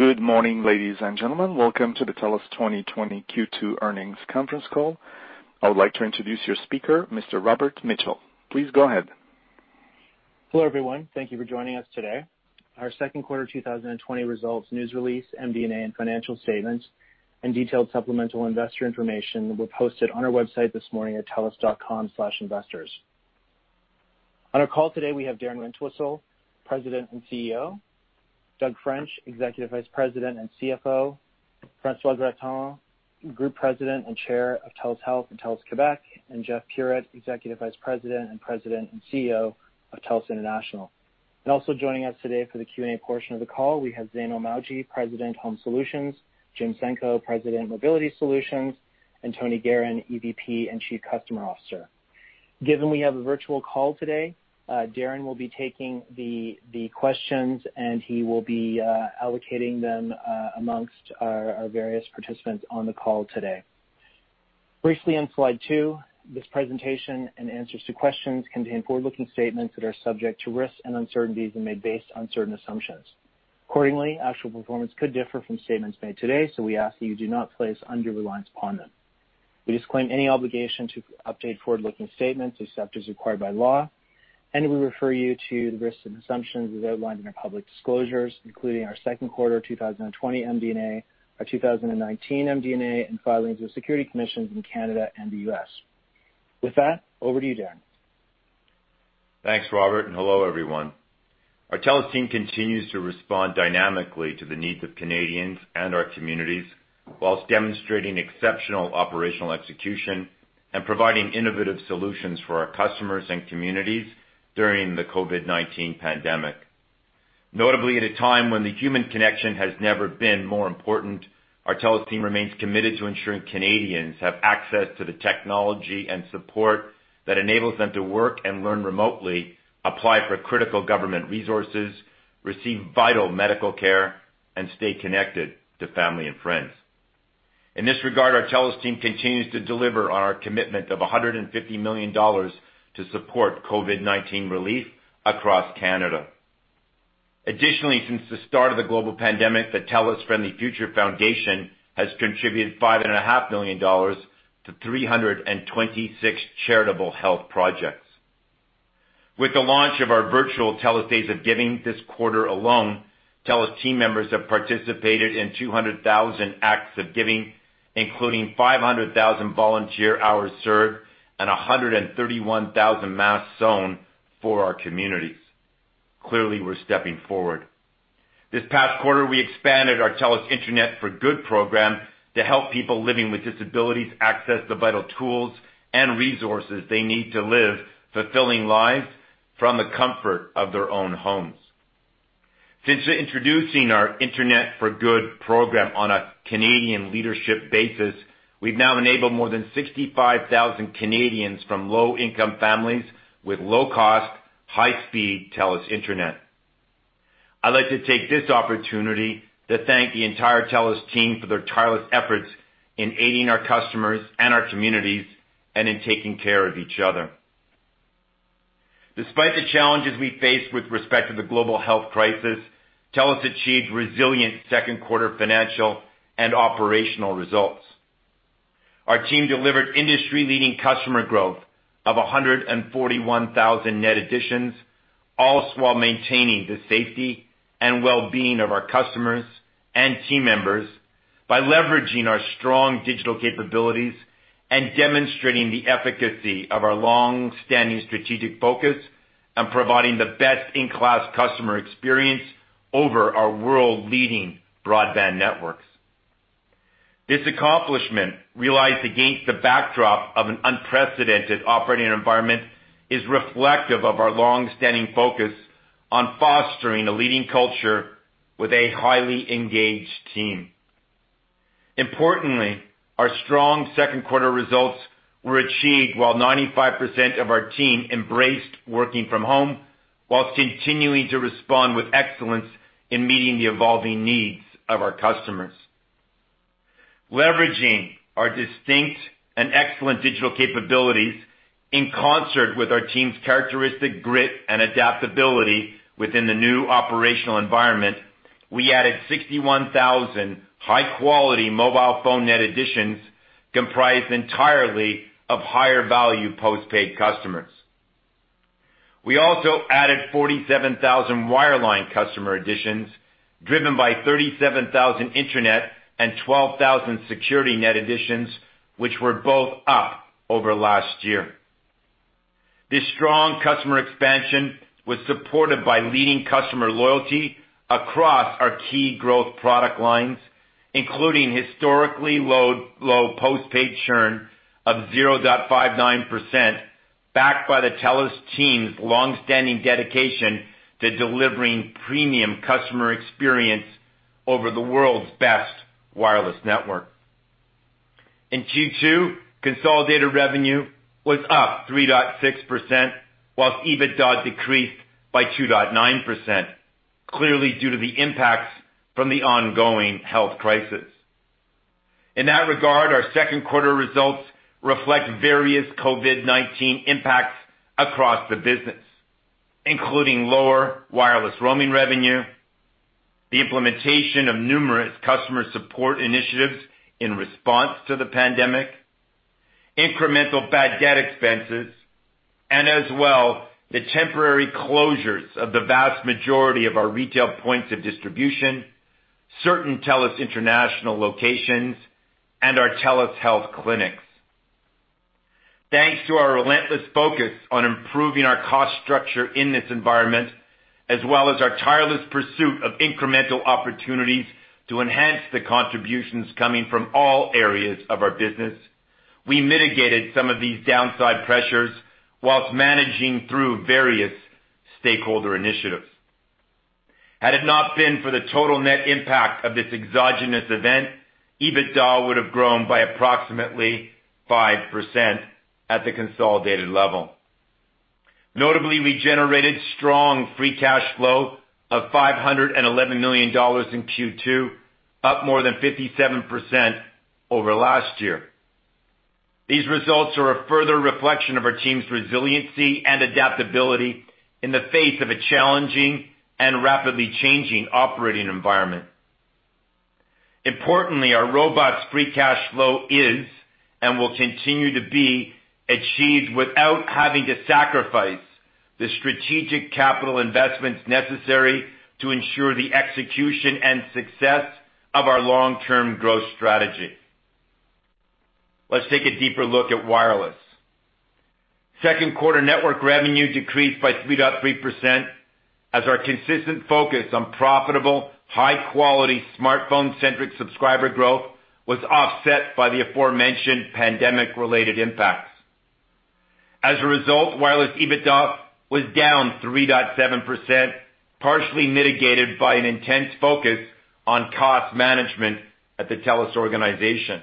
Good morning, ladies and gentlemen. Welcome to the TELUS 2020 Q2 earnings conference call. I would like to introduce your speaker, Mr. Robert Mitchell. Please go ahead. Hello, everyone. Thank you for joining us today. Our second quarter 2020 results, news release, MD&A, and financial statements and detailed supplemental investor information were posted on our website this morning at telus.com/investors. On our call today, we have Darren Entwistle, President and CEO, Doug French, Executive Vice President and CFO, François Gratton, Group President and Chair of TELUS Health and TELUS Québec, and Jeff Puritt, Executive Vice President and President and CEO of TELUS International. Also joining us today for the Q&A portion of the call, we have Zainul Mawji, President, Home Solutions, Jim Senko, President, Mobility Solutions, and Tony Geheran, EVP and Chief Customer Officer. Given we have a virtual call today, Darren will be taking the questions and he will be allocating them amongst our various participants on the call today. Briefly on slide two, this presentation and answers to questions contain forward-looking statements that are subject to risks and uncertainties and made based on certain assumptions. Accordingly, actual performance could differ from statements made today. We ask that you do not place undue reliance upon them. We disclaim any obligation to update forward-looking statements, except as required by law. We refer you to the risks and assumptions as outlined in our public disclosures, including our second quarter 2020 MD&A, our 2019 MD&A, and filings with Securities Commissions in Canada and the U.S. With that, over to you, Darren. Thanks, Robert, and hello, everyone. Our TELUS team continues to respond dynamically to the needs of Canadians and our communities whilst demonstrating exceptional operational execution and providing innovative solutions for our customers and communities during the COVID-19 pandemic. Notably, at a time when the human connection has never been more important, our TELUS team remains committed to ensuring Canadians have access to the technology and support that enables them to work and learn remotely, apply for critical government resources, receive vital medical care, and stay connected to family and friends. In this regard, our TELUS team continues to deliver on our commitment of 150 million dollars to support COVID-19 relief across Canada. Additionally, since the start of the global pandemic, the TELUS Friendly Future Foundation has contributed 5.5 million dollars to 326 charitable health projects. With the launch of our virtual TELUS Days of Giving this quarter alone, TELUS team members have participated in 200,000 acts of giving, including 500,000 volunteer hours served and 131,000 masks sewn for our communities. Clearly, we're stepping forward. This past quarter, we expanded our TELUS Internet for Good program to help people living with disabilities access the vital tools and resources they need to live fulfilling lives from the comfort of their own homes. Since introducing our Internet for Good program on a Canadian leadership basis, we've now enabled more than 65,000 Canadians from low-income families with low-cost, high-speed TELUS Internet. I'd like to take this opportunity to thank the entire TELUS team for their tireless efforts in aiding our customers and our communities and in taking care of each other. Despite the challenges we face with respect to the global health crisis, TELUS achieved resilient second quarter financial and operational results. Our team delivered industry-leading customer growth of 141,000 net additions, all whilst maintaining the safety and well-being of our customers and team members by leveraging our strong digital capabilities and demonstrating the efficacy of our long-standing strategic focus on providing the best-in-class customer experience over our world-leading broadband networks. This accomplishment realized against the backdrop of an unprecedented operating environment is reflective of our long-standing focus on fostering a leading culture with a highly engaged team. Importantly, our strong second quarter results were achieved while 95% of our team embraced working from home whilst continuing to respond with excellence in meeting the evolving needs of our customers. Leveraging our distinct and excellent digital capabilities in concert with our team's characteristic grit and adaptability within the new operational environment, we added 61,000 high-quality mobile phone net additions comprised entirely of higher value postpaid customers. We also added 47,000 wireline customer additions driven by 37,000 Internet and 12,000 security net additions, which were both up over last year. This strong customer expansion was supported by leading customer loyalty across our key growth product lines, including historically low postpaid churn of 0.59%, backed by the TELUS team's long-standing dedication to delivering premium customer experience over the world's best wireless network. In Q2, consolidated revenue was up 3.6% whilst EBITDA decreased by 2.9%, clearly due to the impacts from the ongoing health crisis. In that regard, our second quarter results reflect various COVID-19 impacts across the business, including lower wireless roaming revenue, the implementation of numerous customer support initiatives in response to the pandemic, incremental bad debt expenses, and as well, the temporary closures of the vast majority of our retail points of distribution, certain TELUS International locations, and our TELUS Health clinics. Thanks to our relentless focus on improving our cost structure in this environment, as well as our tireless pursuit of incremental opportunities to enhance the contributions coming from all areas of our business, we mitigated some of these downside pressures whilst managing through various stakeholder initiatives. Had it not been for the total net impact of this exogenous event, EBITDA would have grown by approximately 5% at the consolidated level. Notably, we generated strong free cash flow of 511 million dollars in Q2, up more than 57% over last year. These results are a further reflection of our team's resiliency and adaptability in the face of a challenging and rapidly changing operating environment. Importantly, our robust free cash flow is and will continue to be achieved without having to sacrifice the strategic capital investments necessary to ensure the execution and success of our long-term growth strategy. Let's take a deeper look at wireless. Second quarter network revenue decreased by 3.3% as our consistent focus on profitable, high-quality, smartphone-centric subscriber growth was offset by the aforementioned pandemic-related impacts. As a result, wireless EBITDA was down 3.7%, partially mitigated by an intense focus on cost management at the TELUS organization.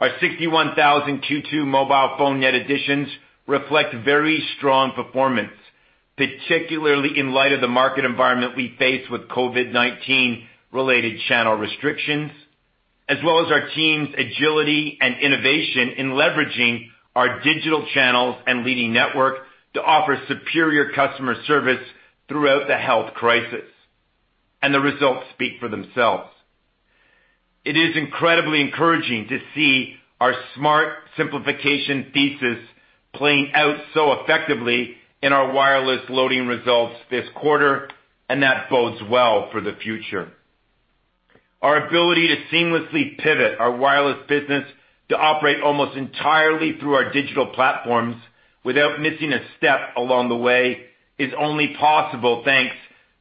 Our 61,000 Q2 mobile phone net additions reflect very strong performance, particularly in light of the market environment we face with COVID-19 related channel restrictions, as well as our team's agility and innovation in leveraging our digital channels and leading network to offer superior customer service throughout the health crisis. The results speak for themselves. It is incredibly encouraging to see our smart simplification thesis playing out so effectively in our wireless loading results this quarter, and that bodes well for the future. Our ability to seamlessly pivot our wireless business to operate almost entirely through our digital platforms without missing a step along the way is only possible thanks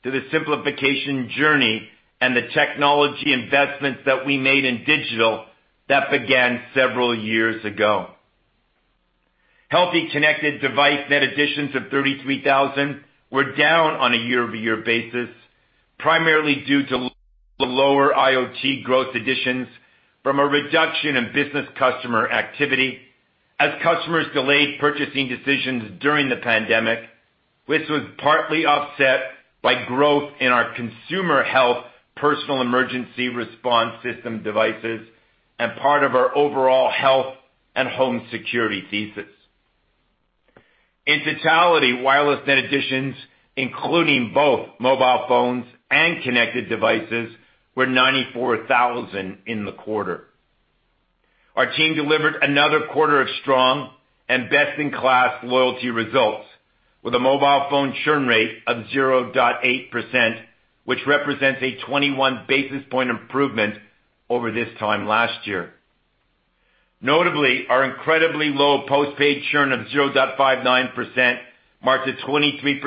to the simplification journey and the technology investments that we made in digital that began several years ago. Healthy connected device net additions of 33,000 were down on a year-over-year basis, primarily due to lower IoT growth additions from a reduction in business customer activity as customers delayed purchasing decisions during the pandemic, which was partly offset by growth in our consumer health personal emergency response system devices and part of our overall health and home security thesis. In totality, wireless net additions, including both mobile phones and connected devices, were 94,000 in the quarter. Our team delivered another quarter of strong and best-in-class loyalty results with a mobile phone churn rate of 0.8%, which represents a 21 basis point improvement over this time last year. Notably, our incredibly low postpaid churn of 0.59% marks a 23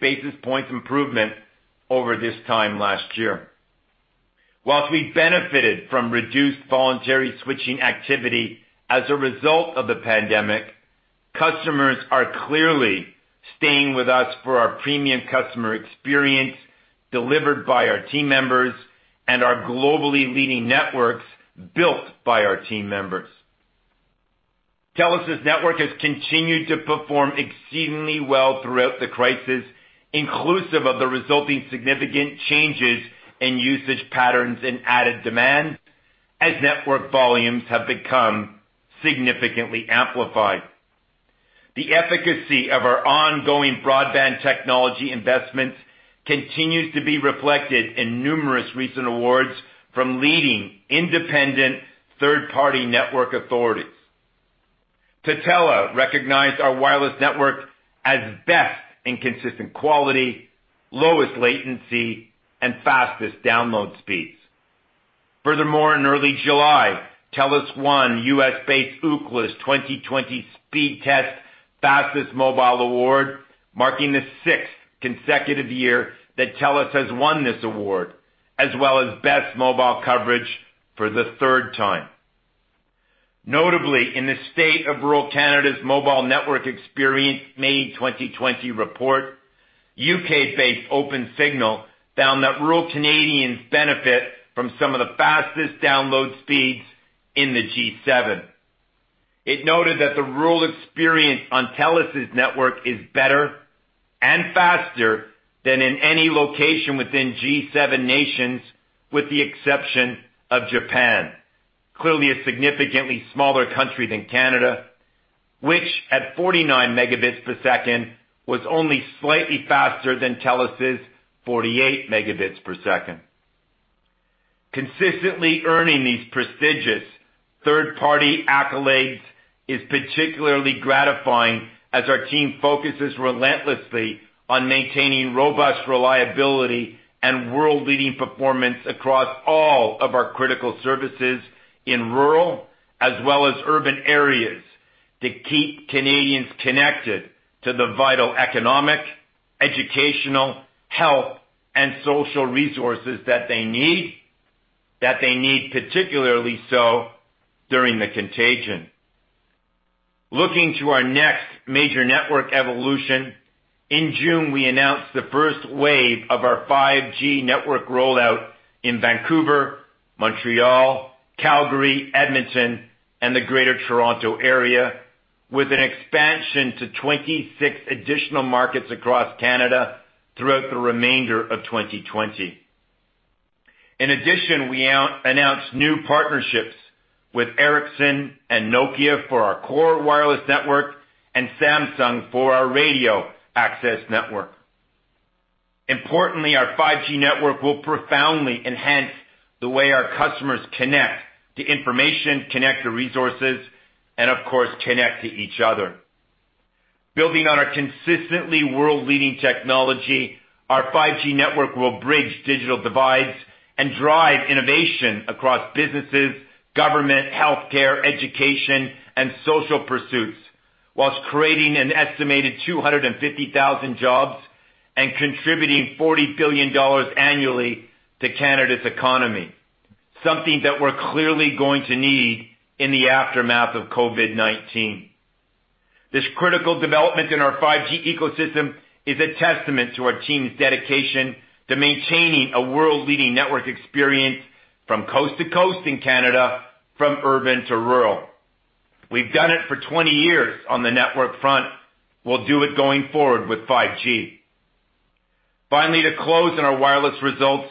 basis points improvement over this time last year. Whilst we benefited from reduced voluntary switching activity as a result of the pandemic, customers are clearly staying with us for our premium customer experience delivered by our team members and our globally leading networks built by our team members. TELUS' network has continued to perform exceedingly well throughout the crisis, inclusive of the resulting significant changes in usage patterns and added demand as network volumes have become significantly amplified. The efficacy of our ongoing broadband technology investments continues to be reflected in numerous recent awards from leading independent third-party network authorities. Tutela recognized our wireless network as best in consistent quality, lowest latency, and fastest download speeds. Furthermore, in early July, TELUS won U.S.-based Ookla's 2020 Speedtest Fastest Mobile Award, marking the sixth consecutive year that TELUS has won this award, as well as best mobile coverage for the third time. Notably, in the State of Rural Canada's Mobile Network Experience May 2020 Report, U.K.-based OpenSignal found that rural Canadians benefit from some of the fastest download speeds in the G7. It noted that the rural experience on TELUS' network is better and faster than in any location within G7 nations, with the exception of Japan, clearly a significantly smaller country than Canada, which at 49 Mbps was only slightly faster than TELUS' 48 Mbps. Consistently earning these prestigious third-party accolades is particularly gratifying as our team focuses relentlessly on maintaining robust reliability and world-leading performance across all of our critical services in rural as well as urban areas to keep Canadians connected to the vital economic, educational, health, and social resources that they need, that they need particularly so during the contagion. Looking to our next major network evolution, in June, we announced the first wave of our 5G network rollout in Vancouver, Montreal, Calgary, Edmonton, and the greater Toronto area with an expansion to 26 additional markets across Canada throughout the remainder of 2020. In addition, we announced new partnerships with Ericsson and Nokia for our core wireless network and Samsung for our radio access network. Importantly, our 5G network will profoundly enhance the way our customers connect to information, connect to resources, and of course, connect to each other. Building on our consistently world-leading technology, our 5G network will bridge digital divides and drive innovation across businesses, government, healthcare, education, and social pursuits whilst creating an estimated 250,000 jobs and contributing 40 billion dollars annually to Canada's economy. Something that we're clearly going to need in the aftermath of COVID-19. This critical development in our 5G ecosystem is a testament to our team's dedication to maintaining a world-leading network experience from coast to coast in Canada from urban to rural. We've done it for 20 years on the network front. We'll do it going forward with 5G. Finally, to close on our wireless results,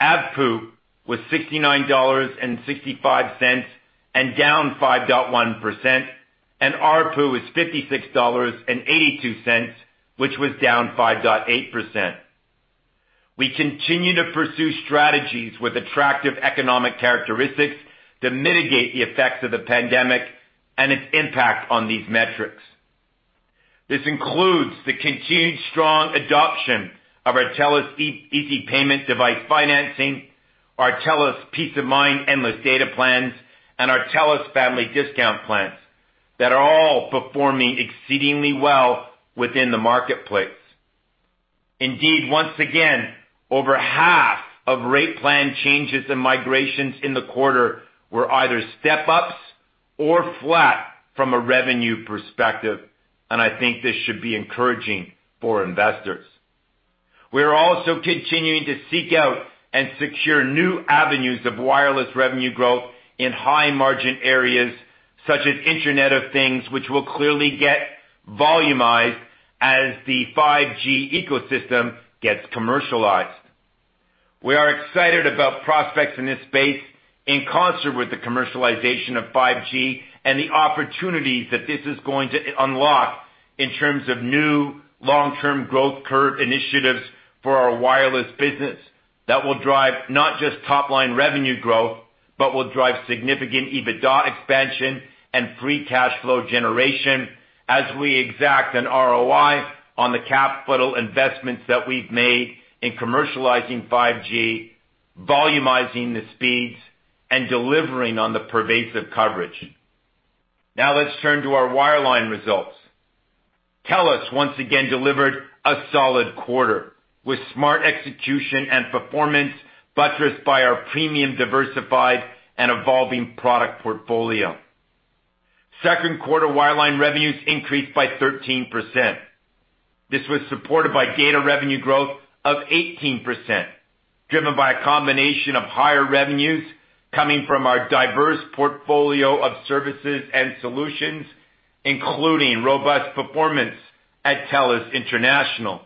AGPU was 69.65 dollars and down 5.1%. ARPU was 56.82 dollars, which was down 5.8%. We continue to pursue strategies with attractive economic characteristics to mitigate the effects of the pandemic and its impact on these metrics. This includes the continued strong adoption of our TELUS Easy Payment device financing, our TELUS Peace of Mind endless data plans, and our TELUS Family Discount plans that are all performing exceedingly well within the marketplace. Indeed, once again, over half of rate plan changes and migrations in the quarter were either step-ups or flat from a revenue perspective, and I think this should be encouraging for investors. We are also continuing to seek out and secure new avenues of wireless revenue growth in high margin areas such as Internet of Things, which will clearly get volumized as the 5G ecosystem gets commercialized. We are excited about prospects in this space in concert with the commercialization of 5G and the opportunities that this is going to unlock in terms of new long-term growth curve initiatives for our wireless business that will drive not just top-line revenue growth, but will drive significant EBITDA expansion and free cash flow generation as we exact an ROI on the capital investments that we've made in commercializing 5G, volumizing the speeds, and delivering on the pervasive coverage. Now let's turn to our wireline results. TELUS once again delivered a solid quarter with smart execution and performance buttressed by our premium diversified and evolving product portfolio. Second quarter wireline revenues increased by 13%. This was supported by data revenue growth of 18%, driven by a combination of higher revenues coming from our diverse portfolio of services and solutions, including robust performance at TELUS International,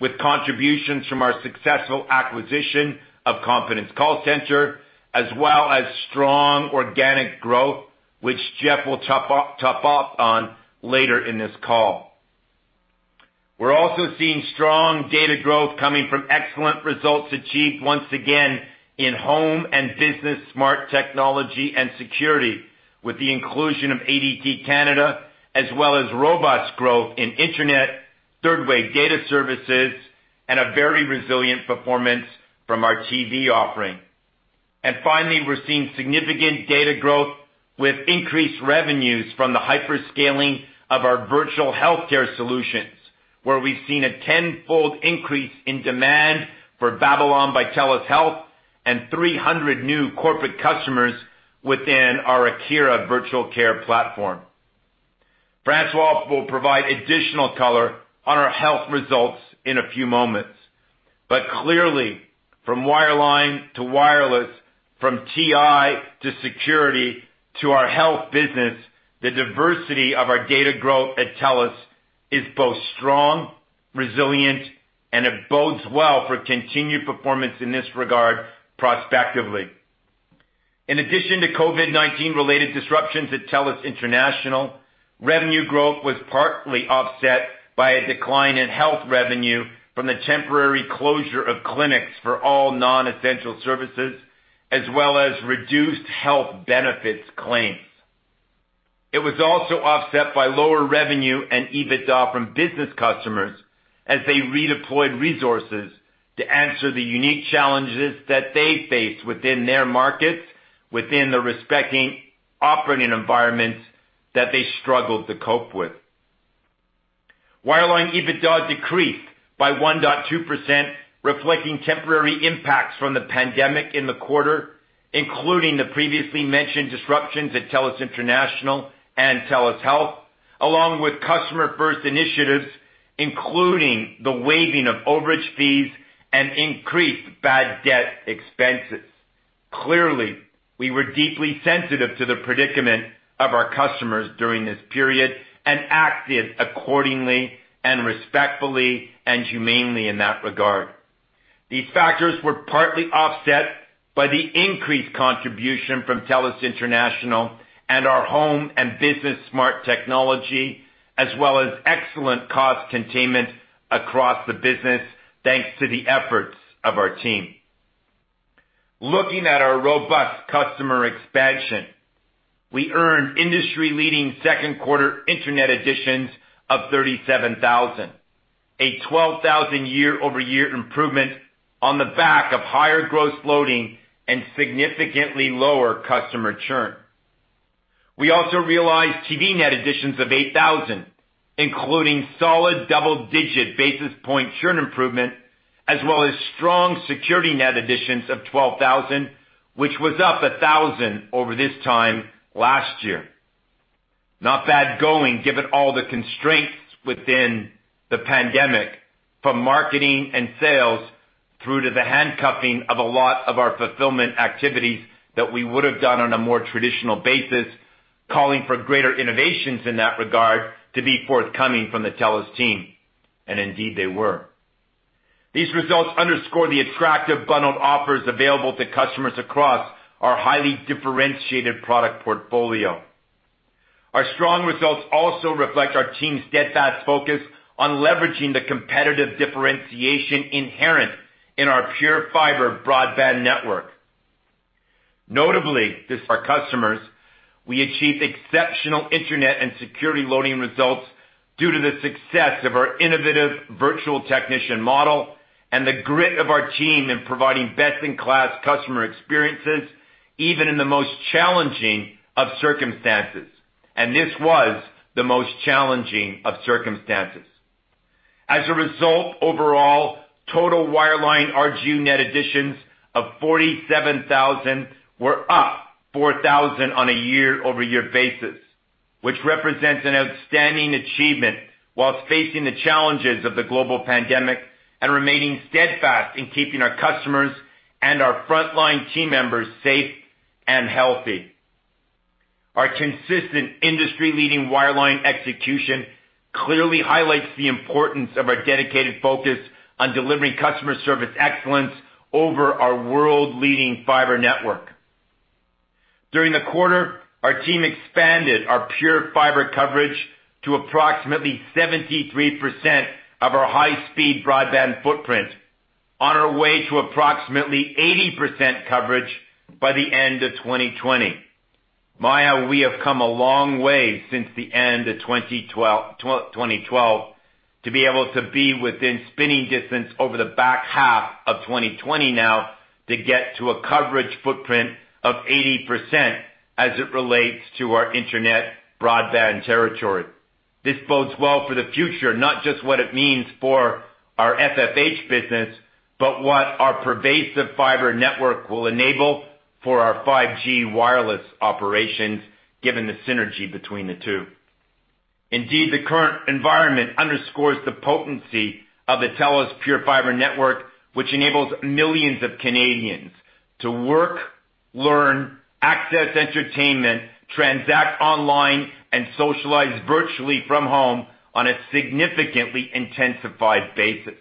with contributions from our successful acquisition of Competence Call Center, as well as strong organic growth, which Jeff will top off on later in this call. We're also seeing strong data growth coming from excellent results achieved once again in home and business smart technology and security with the inclusion of ADT Canada as well as robust growth in internet, third-wave data services, and a very resilient performance from our TV offering. Finally, we're seeing significant data growth with increased revenues from the hyperscaling of our virtual healthcare solutions, where we've seen a tenfold increase in demand for Babylon by TELUS Health and 300 new corporate customers within our Akira Virtual Care platform. François will provide additional color on our health results in a few moments. Clearly, from wireline to wireless, from TI to security, to our health business, the diversity of our data growth at TELUS is both strong, resilient, and it bodes well for continued performance in this regard prospectively. In addition to COVID-19 related disruptions at TELUS International, revenue growth was partly offset by a decline in health revenue from the temporary closure of clinics for all non-essential services, as well as reduced health benefits claims. It was also offset by lower revenue and EBITDA from business customers as they redeployed resources to answer the unique challenges that they face within their markets, within the respective operating environments that they struggled to cope with. Wireline EBITDA decreased by 1.2%, reflecting temporary impacts from the pandemic in the quarter, including the previously mentioned disruptions at TELUS International and TELUS Health, along with customer-first initiatives, including the waiving of overage fees and increased bad debt expenses. Clearly, we were deeply sensitive to the predicament of our customers during this period and acted accordingly and respectfully and humanely in that regard. These factors were partly offset by the increased contribution from TELUS International and our home and business smart technology, as well as excellent cost containment across the business, thanks to the efforts of our team. Looking at our robust customer expansion, we earned industry-leading second quarter internet additions of 37,000. A 12,000 year-over-year improvement on the back of higher gross loading and significantly lower customer churn. We also realized TV net additions of 8,000, including solid double-digit basis point churn improvement, as well as strong security net additions of 12,000, which was up 1,000 over this time last year. Not bad going given all the constraints within the pandemic, from marketing and sales through to the handcuffing of a lot of our fulfillment activities that we would have done on a more traditional basis, calling for greater innovations in that regard to be forthcoming from the TELUS team. Indeed they were. These results underscore the attractive bundled offers available to customers across our highly differentiated product portfolio. Our strong results also reflect our team's steadfast focus on leveraging the competitive differentiation inherent in our PureFibre broadband network. Notably, this our customers, we achieved exceptional internet and security loading results due to the success of our innovative virtual technician model and the grit of our team in providing best-in-class customer experiences, even in the most challenging of circumstances. This was the most challenging of circumstances. As a result, overall, total wireline RGU net additions of 47,000 were up 4,000 on a year-over-year basis, which represents an outstanding achievement whilst facing the challenges of the global pandemic and remaining steadfast in keeping our customers and our frontline team members safe and healthy. Our consistent industry-leading wireline execution clearly highlights the importance of our dedicated focus on delivering customer service excellence over our world-leading fiber network. During the quarter, our team expanded our PureFibre coverage to approximately 73% of our high-speed broadband footprint on our way to approximately 80% coverage by the end of 2020. Maya, we have come a long way since the end of 2012 to be able to be within spinning distance over the back half of 2020 now to get to a coverage footprint of 80% as it relates to our internet broadband territory. This bodes well for the future, not just what it means for our FTTH business, but what our pervasive fiber network will enable for our 5G wireless operations, given the synergy between the two. Indeed, the current environment underscores the potency of the TELUS PureFibre network, which enables millions of Canadians to work, learn, access entertainment, transact online, and socialize virtually from home on a significantly intensified basis.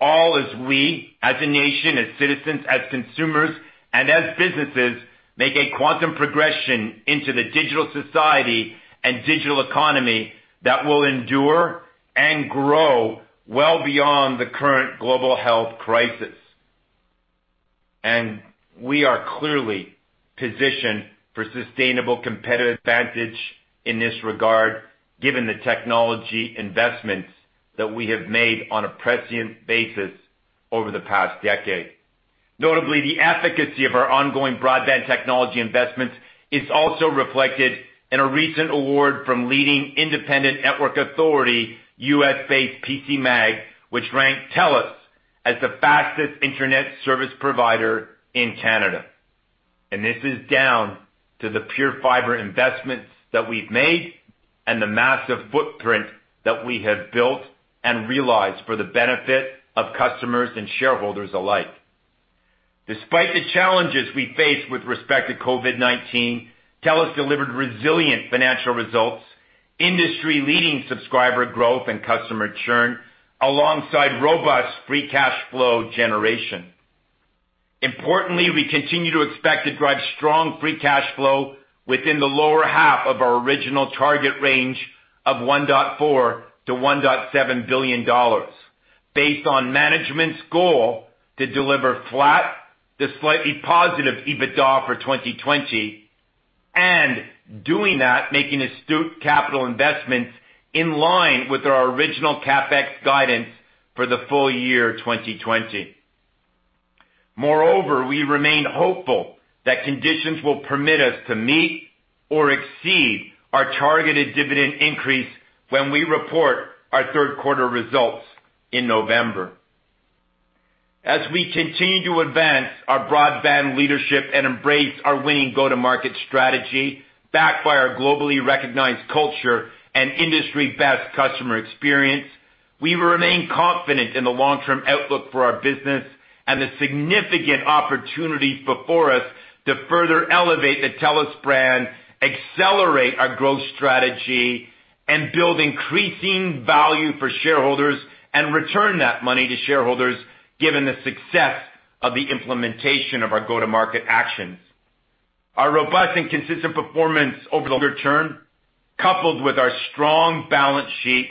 All as we, as a nation, as citizens, as consumers, and as businesses, make a quantum progression into the digital society and digital economy that will endure and grow well beyond the current global health crisis. We are clearly positioned for sustainable competitive advantage in this regard, given the technology investments that we have made on a prescient basis over the past decade. Notably, the efficacy of our ongoing broadband technology investments is also reflected in a recent award from leading independent network authority, U.S.-based PCMag, which ranked TELUS as the fastest internet service provider in Canada. This is down to the PureFibre investments that we've made and the massive footprint that we have built and realized for the benefit of customers and shareholders alike. Despite the challenges we face with respect to COVID-19, TELUS delivered resilient financial results, industry-leading subscriber growth and customer churn, alongside robust free cash flow generation. Importantly, we continue to expect to drive strong free cash flow within the lower half of our original target range of 1.4 billion-1.7 billion dollars, based on management's goal to deliver flat to slightly positive EBITDA for 2020, and doing that, making astute capital investments in line with our original CapEx guidance for the full year 2020. Moreover, we remain hopeful that conditions will permit us to meet or exceed our targeted dividend increase when we report our third quarter results in November. As we continue to advance our broadband leadership and embrace our winning go-to-market strategy, backed by our globally recognized culture and industry-best customer experience, we remain confident in the long-term outlook for our business and the significant opportunities before us to further elevate the TELUS brand, accelerate our growth strategy, and build increasing value for shareholders, and return that money to shareholders given the success of the implementation of our go-to-market actions. Our robust and consistent performance over the longer term, coupled with our strong balance sheet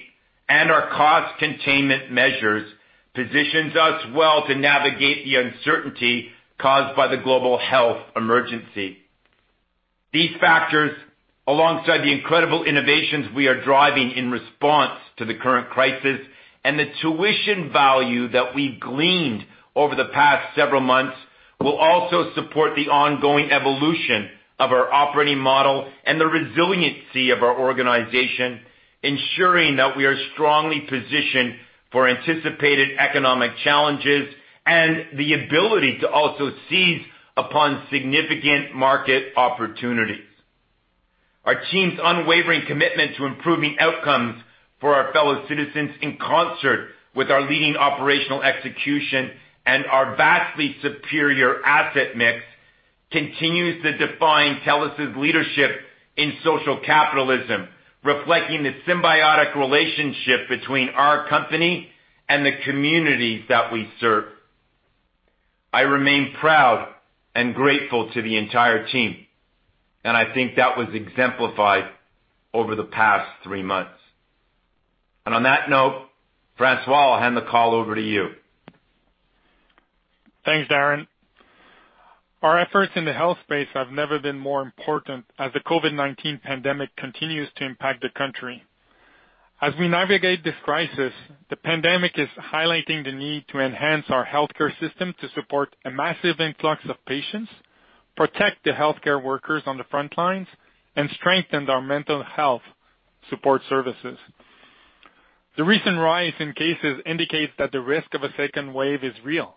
and our cost containment measures, positions us well to navigate the uncertainty caused by the global health emergency. These factors, alongside the incredible innovations we are driving in response to the current crisis, and the tuition value that we gleaned over the past several months, will also support the ongoing evolution of our operating model and the resiliency of our organization, ensuring that we are strongly positioned for anticipated economic challenges and the ability to also seize upon significant market opportunities. Our team's unwavering commitment to improving outcomes for our fellow citizens in concert with our leading operational execution and our vastly superior asset mix continues to define TELUS' leadership in social capitalism, reflecting the symbiotic relationship between our company and the communities that we serve. I remain proud and grateful to the entire team. I think that was exemplified over the past three months. On that note, François, I'll hand the call over to you. Thanks, Darren. Our efforts in the health space have never been more important as the COVID-19 pandemic continues to impact the country. As we navigate this crisis, the pandemic is highlighting the need to enhance our healthcare system to support a massive influx of patients, protect the healthcare workers on the front lines, and strengthen our mental health support services. The recent rise in cases indicates that the risk of a second wave is real.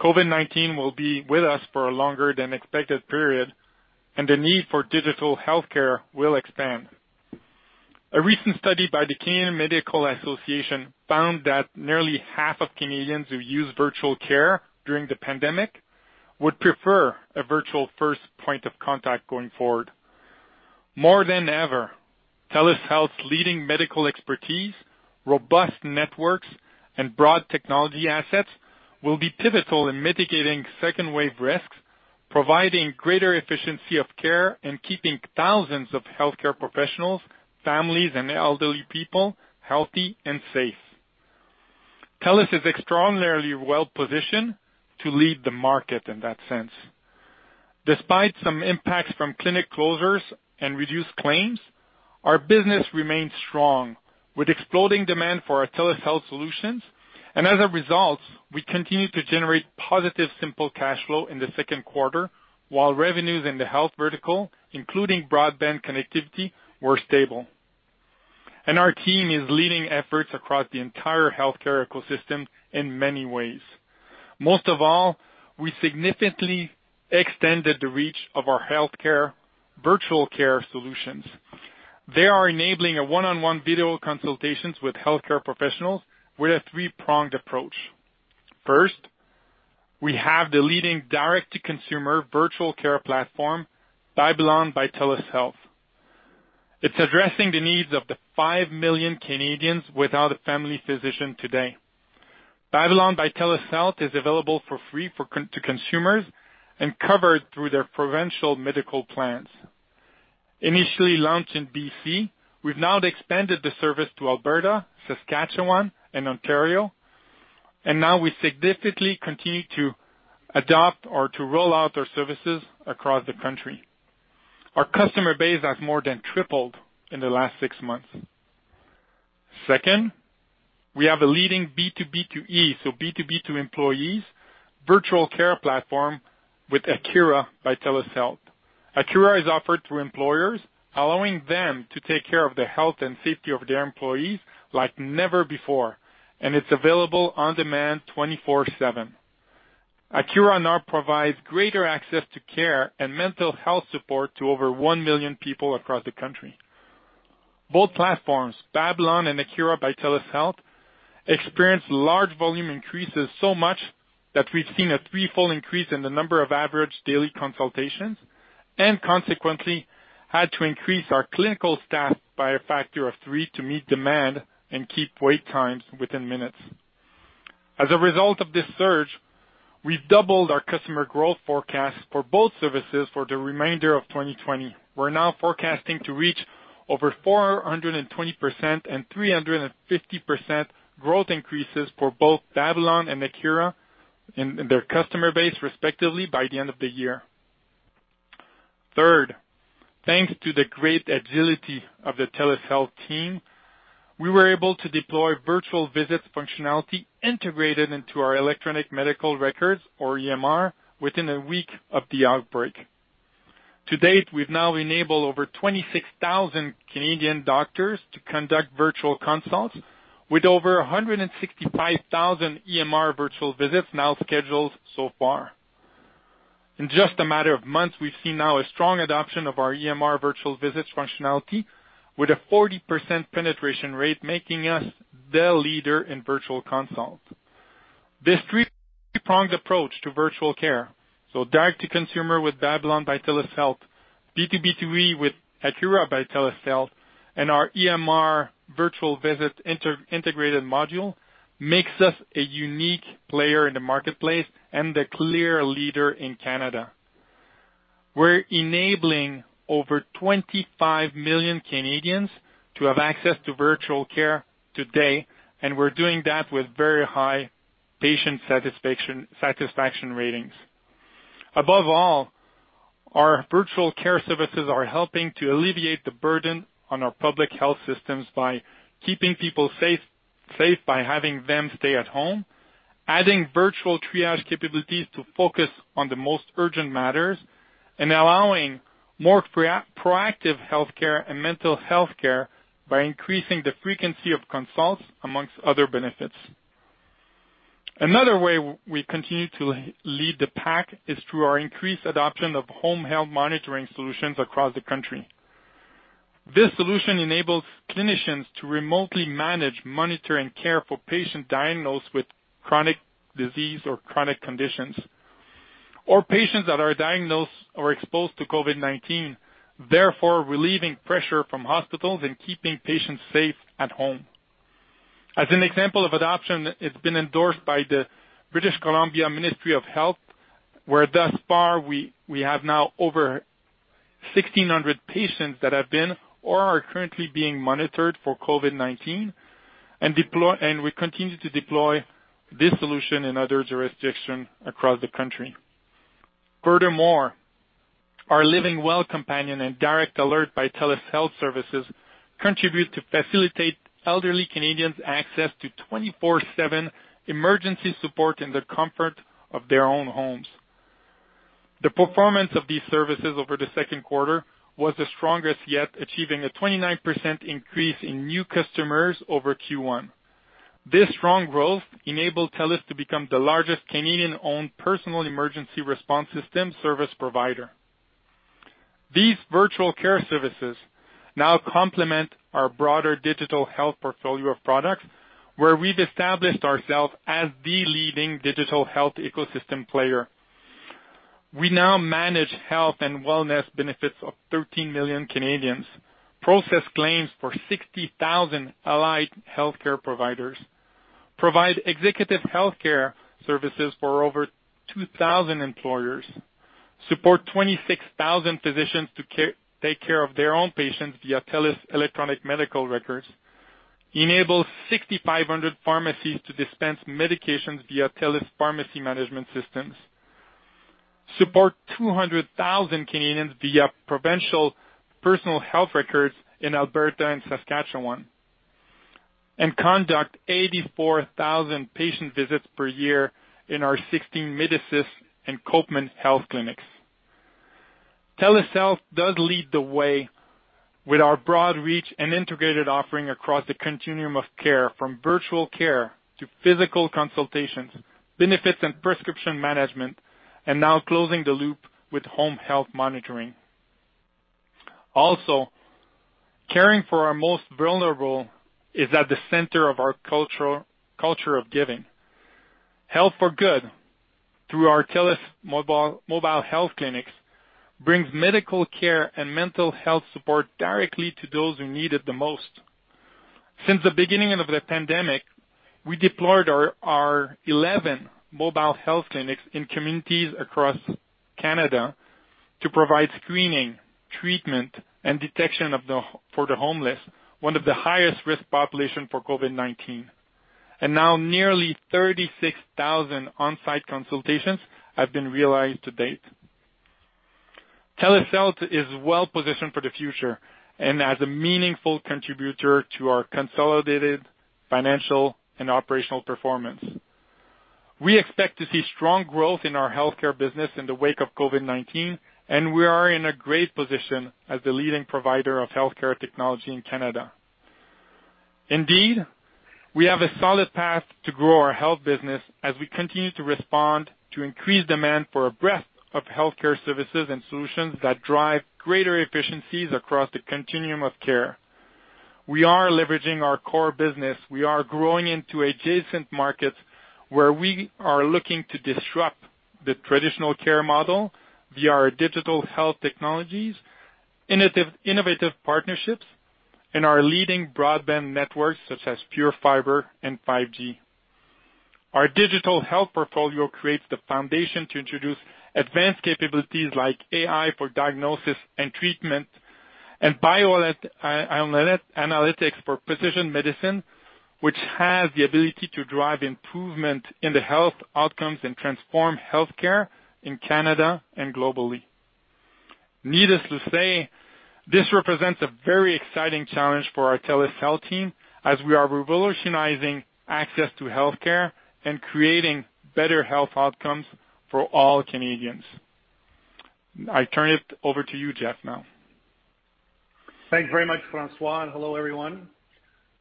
COVID-19 will be with us for a longer than expected period, and the need for digital healthcare will expand. A recent study by the Canadian Medical Association found that nearly half of Canadians who use virtual care during the pandemic would prefer a virtual first point of contact going forward. More than ever, TELUS Health's leading medical expertise, robust networks, and broad technology assets will be pivotal in mitigating second wave risks, providing greater efficiency of care, and keeping thousands of healthcare professionals, families, and elderly people healthy and safe. TELUS is extraordinarily well-positioned to lead the market in that sense. Despite some impacts from clinic closures and reduced claims, our business remains strong, with exploding demand for our TELUS Health solutions. As a result, we continue to generate positive free cash flow in the second quarter, while revenues in the health vertical, including broadband connectivity, were stable. Our team is leading efforts across the entire healthcare ecosystem in many ways. Most of all, we significantly extended the reach of our healthcare virtual care solutions. They are enabling a one-on-one video consultations with healthcare professionals with a three-pronged approach. First, we have the leading direct-to-consumer virtual care platform, Babylon by TELUS Health. It's addressing the needs of the 5 million Canadians without a family physician today. Babylon by TELUS Health is available for free to consumers and covered through their provincial medical plans. Initially launched in B.C., we've now expanded the service to Alberta, Saskatchewan, and Ontario. Now we significantly continue to adopt or to roll out our services across the country. Our customer base has more than tripled in the last six months. Second, we have a leading B2B2E, so B2B to employees, virtual care platform with Akira by TELUS Health. Akira is offered through employers, allowing them to take care of the health and safety of their employees like never before, and it's available on-demand 24/7. Akira now provides greater access to care and mental health support to over 1 million people across the country. Both platforms, Babylon and Akira by TELUS Health, experienced large volume increases so much that we've seen a threefold increase in the number of average daily consultations, and consequently had to increase our clinical staff by a factor of three to meet demand and keep wait times within minutes. As a result of this surge, we've doubled our customer growth forecast for both services for the remainder of 2020. We're now forecasting to reach over 420% and 350% growth increases for both Babylon and Akira in their customer base, respectively, by the end of the year. Third, thanks to the great agility of the TELUS Health team, we were able to deploy virtual visits functionality integrated into our electronic medical records, or EMR, within a week of the outbreak. To date, we've now enabled over 26,000 Canadian doctors to conduct virtual consults with over 165,000 EMR virtual visits now scheduled so far. In just a matter of months, we've seen now a strong adoption of our EMR virtual visits functionality with a 40% penetration rate, making us the leader in virtual consult. This three-pronged approach to virtual care, so direct to consumer with Babylon by TELUS Health, B2B2E with Akira by TELUS Health, and our EMR virtual visit integrated module, makes us a unique player in the marketplace and the clear leader in Canada. We're enabling over 25 million Canadians to have access to virtual care today, and we're doing that with very high patient satisfaction ratings. Above all, our virtual care services are helping to alleviate the burden on our public health systems by keeping people safe by having them stay at home, adding virtual triage capabilities to focus on the most urgent matters, and allowing more proactive healthcare and mental healthcare by increasing the frequency of consults, among other benefits. Another way we continue to lead the pack is through our increased adoption of home health monitoring solutions across the country. This solution enables clinicians to remotely manage, monitor, and care for patients diagnosed with chronic disease or chronic conditions, or patients that are diagnosed or exposed to COVID-19, therefore relieving pressure from hospitals and keeping patients safe at home. As an example of adoption, it's been endorsed by the British Columbia Ministry of Health, where thus far we have now over 1,600 patients that have been or are currently being monitored for COVID-19 and we continue to deploy this solution in other jurisdictions across the country. Furthermore, our LivingWell Companion and Direct Alert by TELUS Health Services contribute to facilitate elderly Canadians access to 24/7 emergency support in the comfort of their own homes. The performance of these services over the second quarter was the strongest yet, achieving a 29% increase in new customers over Q1. This strong growth enabled TELUS to become the largest Canadian-owned personal emergency response system service provider. These virtual care services now complement our broader digital health portfolio of products, where we've established ourselves as the leading digital health ecosystem player. We now manage health and wellness benefits of 13 million Canadians, process claims for 60,000 allied healthcare providers, provide executive healthcare services for over 2,000 employers, support 26,000 physicians to take care of their own patients via TELUS electronic medical records, enable 6,500 pharmacies to dispense medications via TELUS pharmacy management systems, support 200,000 Canadians via provincial personal health records in Alberta and Saskatchewan, and conduct 84,000 patient visits per year in our 16 Medisys and Copeman Healthcare clinics. TELUS Health does lead the way with our broad reach and integrated offering across the continuum of care, from virtual care to physical consultations, benefits and prescription management, and now closing the loop with home health monitoring. Also, caring for our most vulnerable is at the center of our culture, culture of giving. Health for Good, through our TELUS mobile health clinics, brings medical care and mental health support directly to those who need it the most. Since the beginning of the pandemic, we deployed our 11 mobile health clinics in communities across Canada to provide screening, treatment, and detection for the homeless, one of the highest risk population for COVID-19. Now nearly 36,000 on-site consultations have been realized to date. TELUS Health is well-positioned for the future and as a meaningful contributor to our consolidated financial and operational performance. We expect to see strong growth in our healthcare business in the wake of COVID-19, and we are in a great position as the leading provider of healthcare technology in Canada. Indeed, we have a solid path to grow our health business as we continue to respond to increased demand for a breadth of healthcare services and solutions that drive greater efficiencies across the continuum of care. We are leveraging our core business. We are growing into adjacent markets where we are looking to disrupt the traditional care model via our digital health technologies, innovative partnerships, and our leading broadband networks such as PureFibre and 5G. Our digital health portfolio creates the foundation to introduce advanced capabilities like AI for diagnosis and treatment, and bioanalytics for precision medicine, which has the ability to drive improvement in the health outcomes and transform healthcare in Canada and globally. Needless to say, this represents a very exciting challenge for our TELUS Health team as we are revolutionizing access to healthcare and creating better health outcomes for all Canadians. I turn it over to you, Jeff, now. Thanks very much, François. Hello, everyone.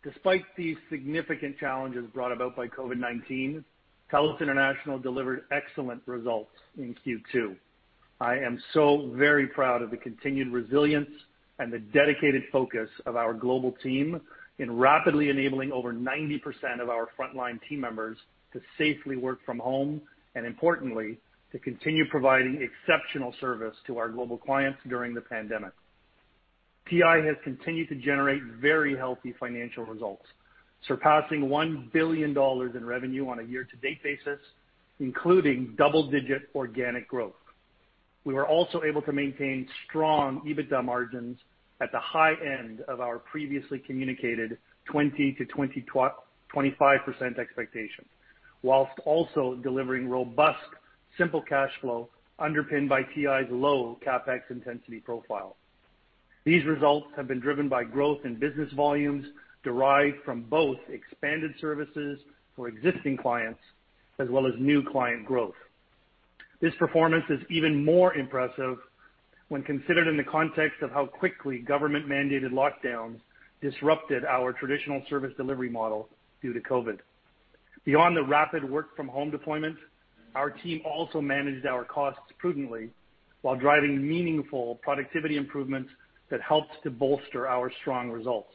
Despite the significant challenges brought about by COVID-19, TELUS International delivered excellent results in Q2. I am so very proud of the continued resilience and the dedicated focus of our global team in rapidly enabling over 90% of our frontline team members to safely work from home. Importantly, to continue providing exceptional service to our global clients during the pandemic. TI has continued to generate very healthy financial results, surpassing 1 billion dollars in revenue on a year-to-date basis, including double-digit organic growth. We were also able to maintain strong EBITDA margins at the high end of our previously communicated 20%-25% expectations, whilst also delivering robust simple cash flow underpinned by TI's low CapEx intensity profile. These results have been driven by growth in business volumes derived from both expanded services for existing clients as well as new client growth. This performance is even more impressive when considered in the context of how quickly government-mandated lockdowns disrupted our traditional service delivery model due to COVID. Beyond the rapid work-from-home deployment, our team also managed our costs prudently while driving meaningful productivity improvements that helped to bolster our strong results.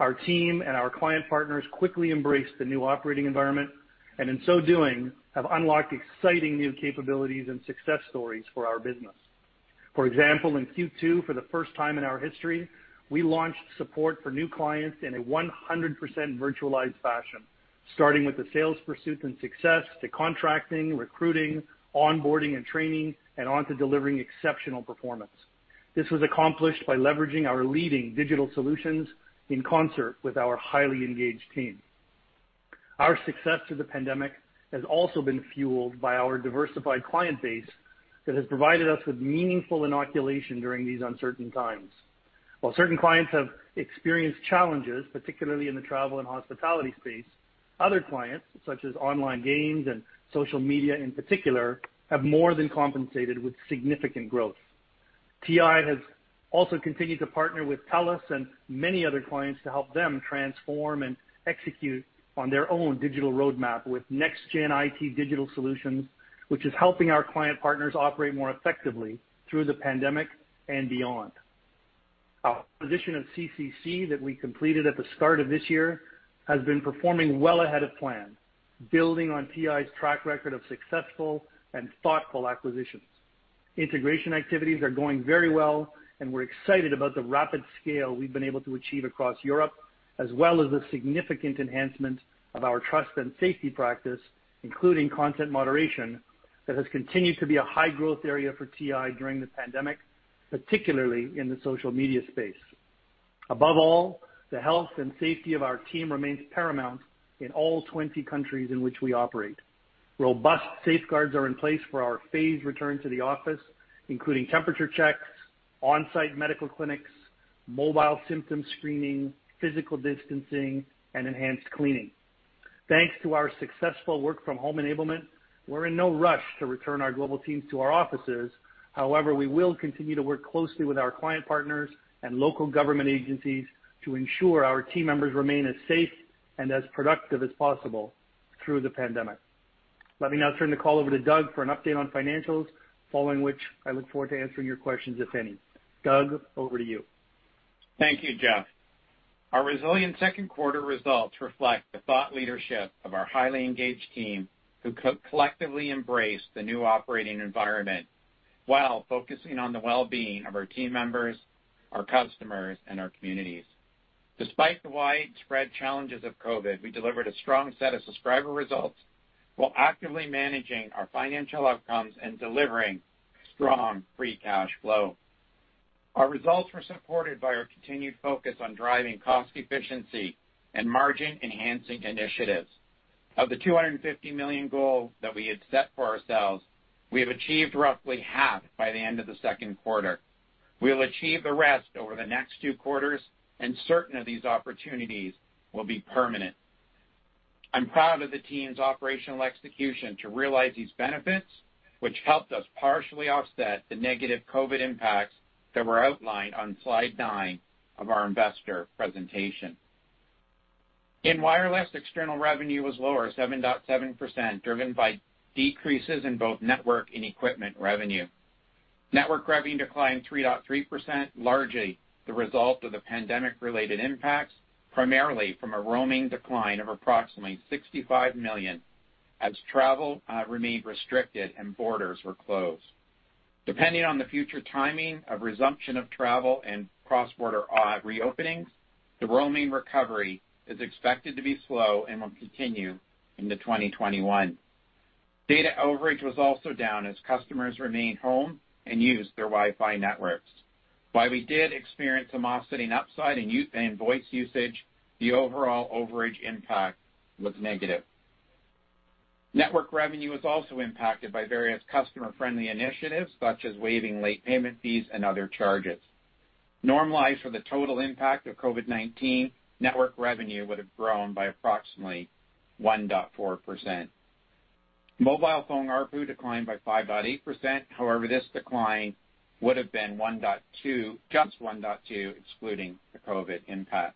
Our team and our client partners quickly embraced the new operating environment, and in so doing, have unlocked exciting new capabilities and success stories for our business. For example, in Q2, for the first time in our history, we launched support for new clients in a 100% virtualized fashion, starting with the sales pursuit and success to contracting, recruiting, onboarding and training, and on to delivering exceptional performance. This was accomplished by leveraging our leading digital solutions in concert with our highly engaged team. Our success through the pandemic has also been fueled by our diversified client base that has provided us with meaningful inoculation during these uncertain times. While certain clients have experienced challenges, particularly in the travel and hospitality space, other clients, such as online games and social media in particular, have more than compensated with significant growth. TI has also continued to partner with TELUS and many other clients to help them transform and execute on their own digital roadmap with next-gen IT digital solutions, which is helping our client partners operate more effectively through the pandemic and beyond. Our acquisition of CCC that we completed at the start of this year has been performing well ahead of plan, building on TI's track record of successful and thoughtful acquisitions. Integration activities are going very well, and we're excited about the rapid scale we've been able to achieve across Europe, as well as the significant enhancement of our trust and safety practice, including content moderation, that has continued to be a high-growth area for TI during the pandemic, particularly in the social media space. Above all, the health and safety of our team remains paramount in all 20 countries in which we operate. Robust safeguards are in place for our phased return to the office, including temperature checks, on-site medical clinics, mobile symptom screening, physical distancing, and enhanced cleaning. Thanks to our successful work-from-home enablement, we're in no rush to return our global teams to our offices. However, we will continue to work closely with our client partners and local government agencies to ensure our team members remain as safe and as productive as possible through the pandemic. Let me now turn the call over to Doug for an update on financials, following which I look forward to answering your questions, if any. Doug, over to you. Thank you, Jeff. Our resilient second quarter results reflect the thought leadership of our highly engaged team who collectively embrace the new operating environment while focusing on the well-being of our team members, our customers, and our communities. Despite the widespread challenges of COVID, we delivered a strong set of subscriber results while actively managing our financial outcomes and delivering strong free cash flow. Our results were supported by our continued focus on driving cost efficiency and margin-enhancing initiatives. Of the 250 million goal that we had set for ourselves, we have achieved roughly half by the end of the second quarter. We'll achieve the rest over the next two quarters, and certain of these opportunities will be permanent. I'm proud of the team's operational execution to realize these benefits, which helped us partially offset the negative COVID impacts that were outlined on slide nine of our investor presentation. In wireless, external revenue was lower 7.7%, driven by decreases in both network and equipment revenue. Network revenue declined 3.3%, largely the result of the pandemic-related impacts, primarily from a roaming decline of approximately 65 million, as travel remained restricted and borders were closed. Depending on the future timing of resumption of travel and cross-border reopenings, the roaming recovery is expected to be slow and will continue into 2021. Data overage was also down as customers remained home and used their Wi-Fi networks. While we did experience some offsetting upside in voice usage, the overall overage impact was negative. Network revenue was also impacted by various customer-friendly initiatives, such as waiving late payment fees and other charges. Normalized for the total impact of COVID-19, network revenue would have grown by approximately 1.4%. Mobile phone ARPU declined by 5.8%, however, this decline would have been just 1.2, excluding the COVID-19 impact.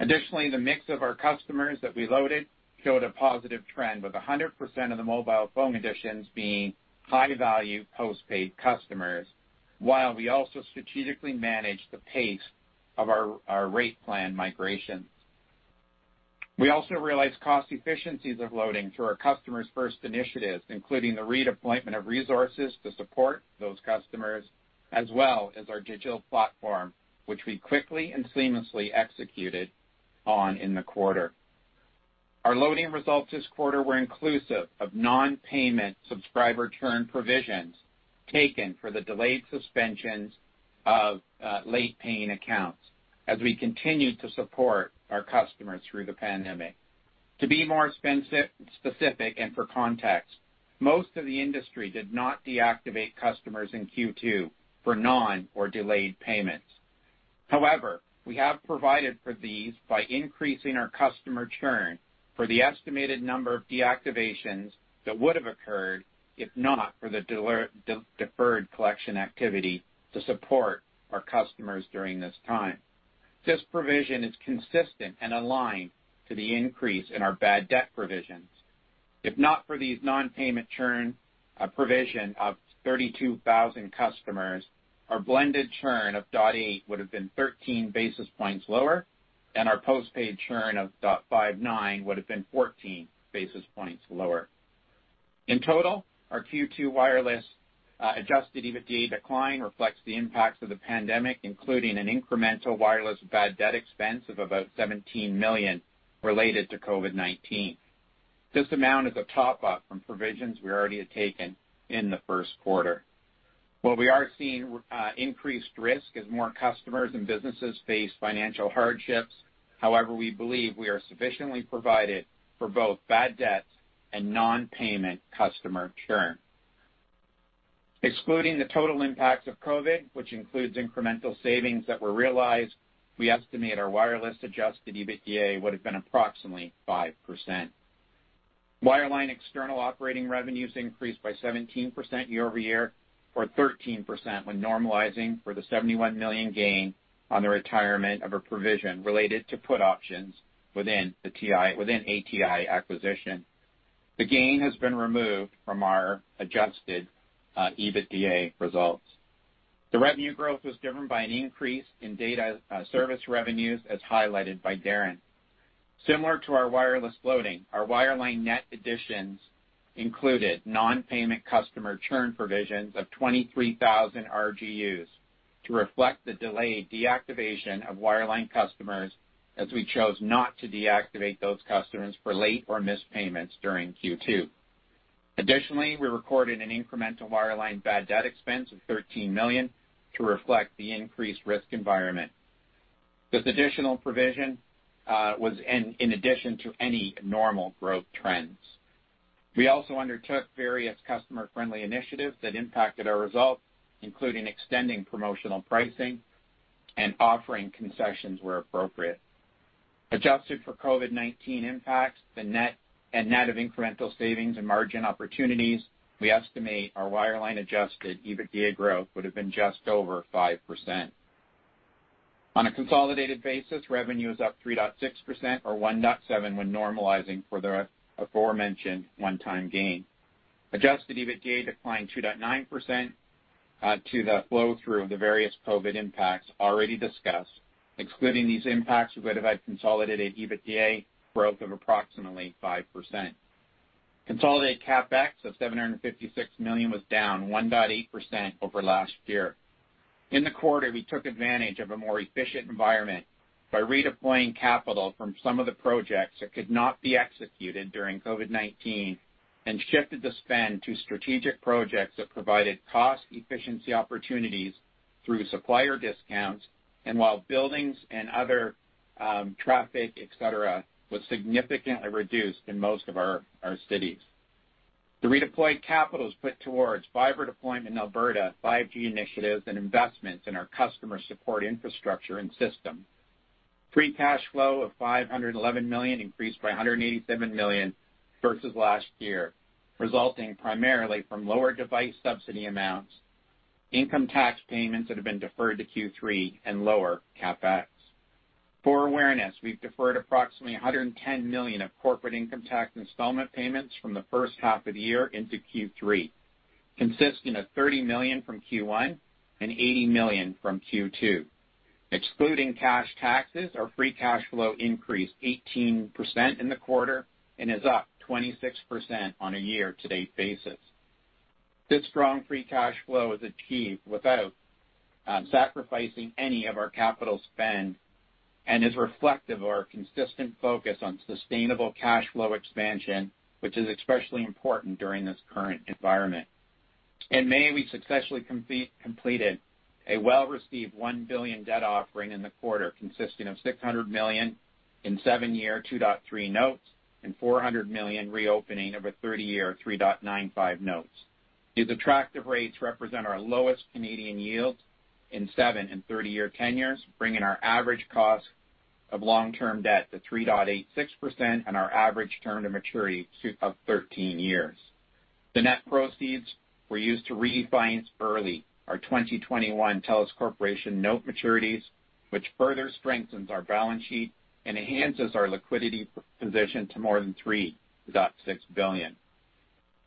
Additionally, the mix of our customers that we loaded showed a positive trend, with 100% of the mobile phone additions being high-value postpaid customers, while we also strategically managed the pace of our rate plan migration. We also realized cost efficiencies of loading through our customers first initiatives, including the redeployment of resources to support those customers, as well as our digital platform, which we quickly and seamlessly executed on in the quarter. Our loading results this quarter were inclusive of non-payment subscriber churn provisions taken for the delayed suspensions of late paying accounts as we continued to support our customers through the pandemic. To be more specific and for context, most of the industry did not deactivate customers in Q2 for non- or delayed payments. However, we have provided for these by increasing our customer churn for the estimated number of deactivations that would have occurred if not for the deferred collection activity to support our customers during this time. This provision is consistent and aligned to the increase in our bad debt provisions. If not for these non-payment churn provision of 32,000 customers, our blended churn of 0.8 would have been 13 basis points lower, and our postpaid churn of 0.59 would have been 14 basis points lower. In total, our Q2 wireless adjusted EBITDA decline reflects the impacts of the pandemic, including an incremental wireless bad debt expense of about 17 million related to COVID-19. This amount is a top-up from provisions we already had taken in the first quarter. While we are seeing increased risk as more customers and businesses face financial hardships, we believe we are sufficiently provided for both bad debts and non-payment customer churn. Excluding the total impacts of COVID-19, which includes incremental savings that were realized, we estimate our wireless adjusted EBITDA would have been approximately 5%. Wireline external operating revenues increased by 17% year-over-year, or 13% when normalizing for the 71 million gain on the retirement of a provision related to put options within ATI acquisition. The gain has been removed from our adjusted EBITDA results. The revenue growth was driven by an increase in data service revenues, as highlighted by Darren. Similar to our wireless loading, our wireline net additions included non-payment customer churn provisions of 23,000 RGUs to reflect the delayed deactivation of wireline customers, as we chose not to deactivate those customers for late or missed payments during Q2. Additionally, we recorded an incremental wireline bad debt expense of 13 million to reflect the increased risk environment. This additional provision was in addition to any normal growth trends. We also undertook various customer-friendly initiatives that impacted our results, including extending promotional pricing and offering concessions where appropriate. Adjusted for COVID-19 impacts and net of incremental savings and margin opportunities, we estimate our wireline adjusted EBITDA growth would have been just over 5%. On a consolidated basis, revenue is up 3.6%, or 1.7% when normalizing for the aforementioned one-time gain. Adjusted EBITDA declined 2.9% to the flow-through of the various COVID impacts already discussed. Excluding these impacts, we would have had consolidated EBITDA growth of approximately 5%. Consolidated CapEx of 756 million was down 1.8% over last year. In the quarter, we took advantage of a more efficient environment by redeploying capital from some of the projects that could not be executed during COVID-19 and shifted the spend to strategic projects that provided cost efficiency opportunities through supplier discounts and while buildings and other traffic, et cetera, was significantly reduced in most of our cities. The redeployed capital is put towards fibre deployment in Alberta, 5G initiatives, and investments in our customer support infrastructure and system. Free cash flow of 511 million increased by 187 million versus last year, resulting primarily from lower device subsidy amounts, income tax payments that have been deferred to Q3, and lower CapEx. For awareness, we've deferred approximately 110 million of corporate income tax installment payments from the first half of the year into Q3, consisting of 30 million from Q1 and 80 million from Q2. Excluding cash taxes, our free cash flow increased 18% in the quarter and is up 26% on a year-to-date basis. This strong free cash flow is achieved without sacrificing any of our capital spend and is reflective of our consistent focus on sustainable cash flow expansion, which is especially important during this current environment. In May, we successfully completed a well-received 1 billion debt offering in the quarter, consisting of 600 million in seven-year, 2.3 notes and 400 million reopening of a 30-year 3.95 notes. These attractive rates represent our lowest Canadian yields in seven and 30-year tenures, bringing our average cost of long-term debt to 3.86% and our average term to maturity of 13 years. The net proceeds were used to refinance early our 2021 TELUS Corporation note maturities, which further strengthens our balance sheet and enhances our liquidity position to more than 3.6 billion.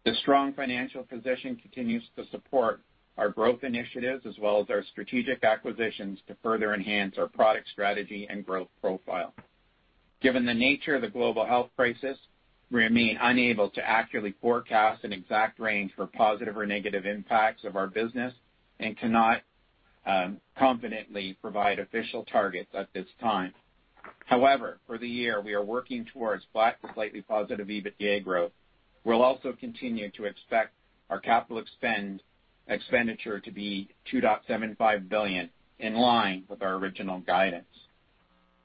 This strong financial position continues to support our growth initiatives as well as our strategic acquisitions to further enhance our product strategy and growth profile. Given the nature of the global health crisis, we remain unable to accurately forecast an exact range for positive or negative impacts of our business and cannot confidently provide official targets at this time. However, for the year, we are working towards flat to slightly positive EBITDA growth. We'll also continue to expect our capital expenditure to be 2.75 billion, in line with our original guidance.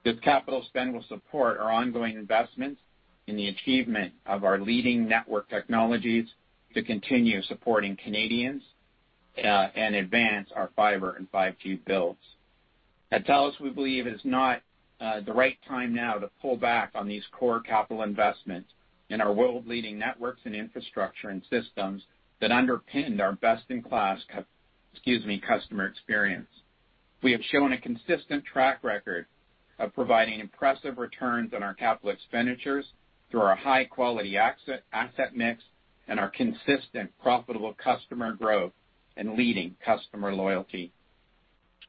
This capital spend will support our ongoing investments in the achievement of our leading network technologies to continue supporting Canadians, and advance our fiber and 5G builds. At TELUS, we believe it is not the right time now to pull back on these core capital investments in our world-leading networks and infrastructure and systems that underpin our best-in-class customer experience. We have shown a consistent track record of providing impressive returns on our capital expenditures through our high-quality asset mix and our consistent profitable customer growth and leading customer loyalty.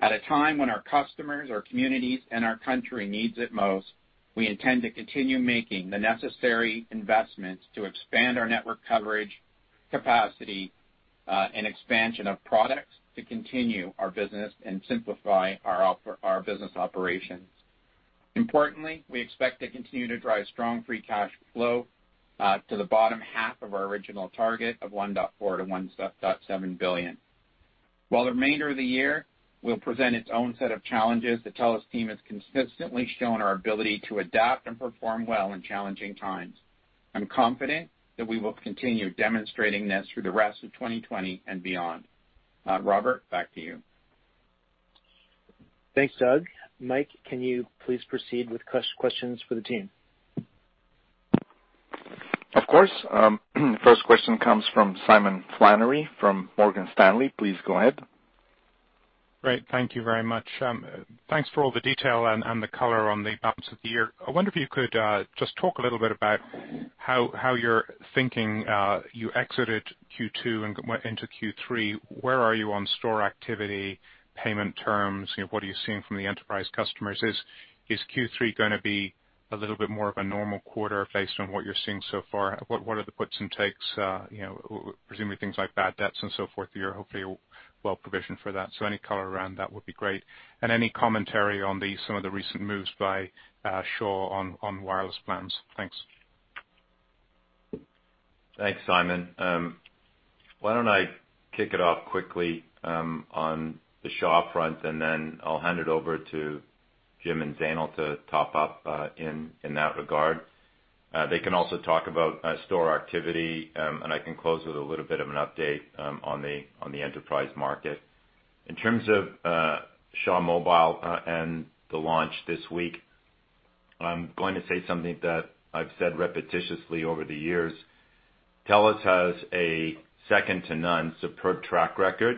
At a time when our customers, our communities, and our country needs it most, we intend to continue making the necessary investments to expand our network coverage, capacity, and expansion of products to continue our business and simplify our business operations. Importantly, we expect to continue to drive strong free cash flow to the bottom half of our original target of 1.4 billion-1.7 billion. While the remainder of the year will present its own set of challenges, the TELUS team has consistently shown our ability to adapt and perform well in challenging times. I'm confident that we will continue demonstrating this through the rest of 2020 and beyond. Robert, back to you. Thanks, Doug. Mike, can you please proceed with questions for the team? Of course. First question comes from Simon Flannery from Morgan Stanley. Please go ahead. Great. Thank you very much. Thanks for all the detail and the color on the balance of the year. I wonder if you could just talk a little bit about how you're thinking. You exited Q2 and went into Q3. Where are you on store activity, payment terms? What are you seeing from the enterprise customers? Is Q3 going to be a little bit more of a normal quarter based on what you're seeing so far? What are the puts and takes, presumably things like bad debts and so forth. You're hopefully well-provisioned for that. Any color around that would be great. Any commentary on some of the recent moves by Shaw on wireless plans. Thanks. Thanks, Simon. Why don't I kick it off quickly on the Shaw front, and then I'll hand it over to Jim and Zainul to top up in that regard. They can also talk about store activity, and I can close with a little bit of an update on the enterprise market. In terms of Shaw Mobile and the launch this week, I'm going to say something that I've said repetitiously over the years. TELUS has a second-to-none superb track record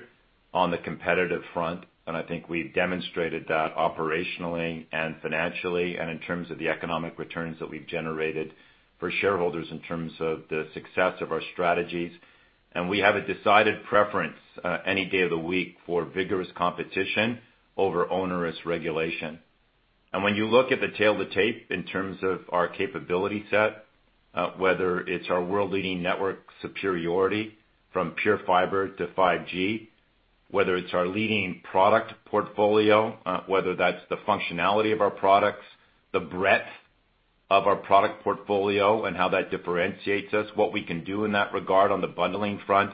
on the competitive front, and I think we've demonstrated that operationally and financially and in terms of the economic returns that we've generated for shareholders in terms of the success of our strategies. We have a decided preference any day of the week for vigorous competition over onerous regulation. When you look at the tale of the tape in terms of our capability set, whether it's our world-leading network superiority from PureFibre to 5G, whether it's our leading product portfolio, whether that's the functionality of our products, the breadth of our product portfolio, and how that differentiates us, what we can do in that regard on the bundling front.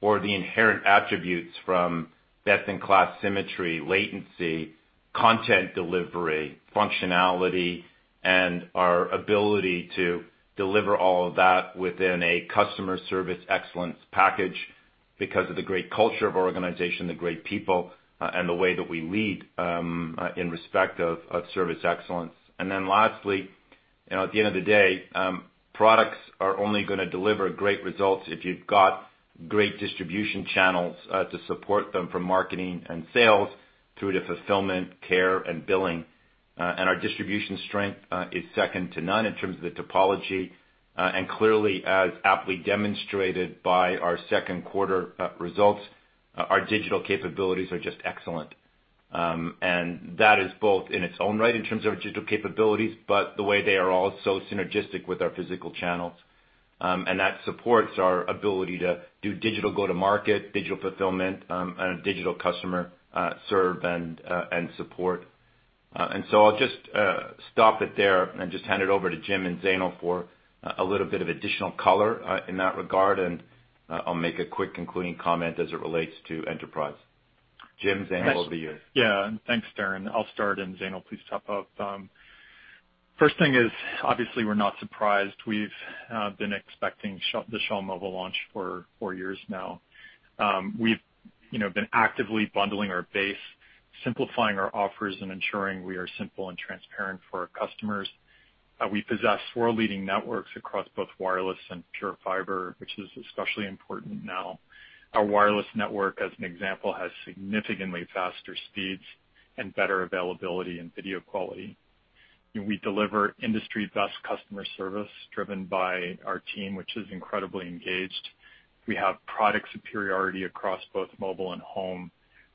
The inherent attributes from best-in-class symmetry, latency, content delivery, functionality, and our ability to deliver all of that within a customer service excellence package because of the great culture of our organization, the great people, and the way that we lead in respect of service excellence. Lastly, at the end of the day, products are only going to deliver great results if you've got great distribution channels to support them from marketing and sales through to fulfillment, care, and billing. Our distribution strength is second to none in terms of the topology. Clearly, as aptly demonstrated by our second quarter results, our digital capabilities are just excellent. That is both in its own right in terms of our digital capabilities, but the way they are also synergistic with our physical channels. That supports our ability to do digital go-to-market, digital fulfillment, and digital customer serve and support. So I'll just stop it there and just hand it over to Jim and Zainul for a little bit of additional color in that regard, and I'll make a quick concluding comment as it relates to enterprise. Jim, Zainul, over to you. Yeah. Thanks, Darren. I'll start and Zainul, please top up. First thing is, obviously, we're not surprised. We've been expecting the Shaw Mobile launch for four years now. We've been actively bundling our base, simplifying our offers, and ensuring we are simple and transparent for our customers. We possess world-leading networks across both wireless and PureFibre, which is especially important now. Our wireless network, as an example, has significantly faster speeds and better availability and video quality. We deliver industry-best customer service driven by our team, which is incredibly engaged. We have product superiority across both mobile and home.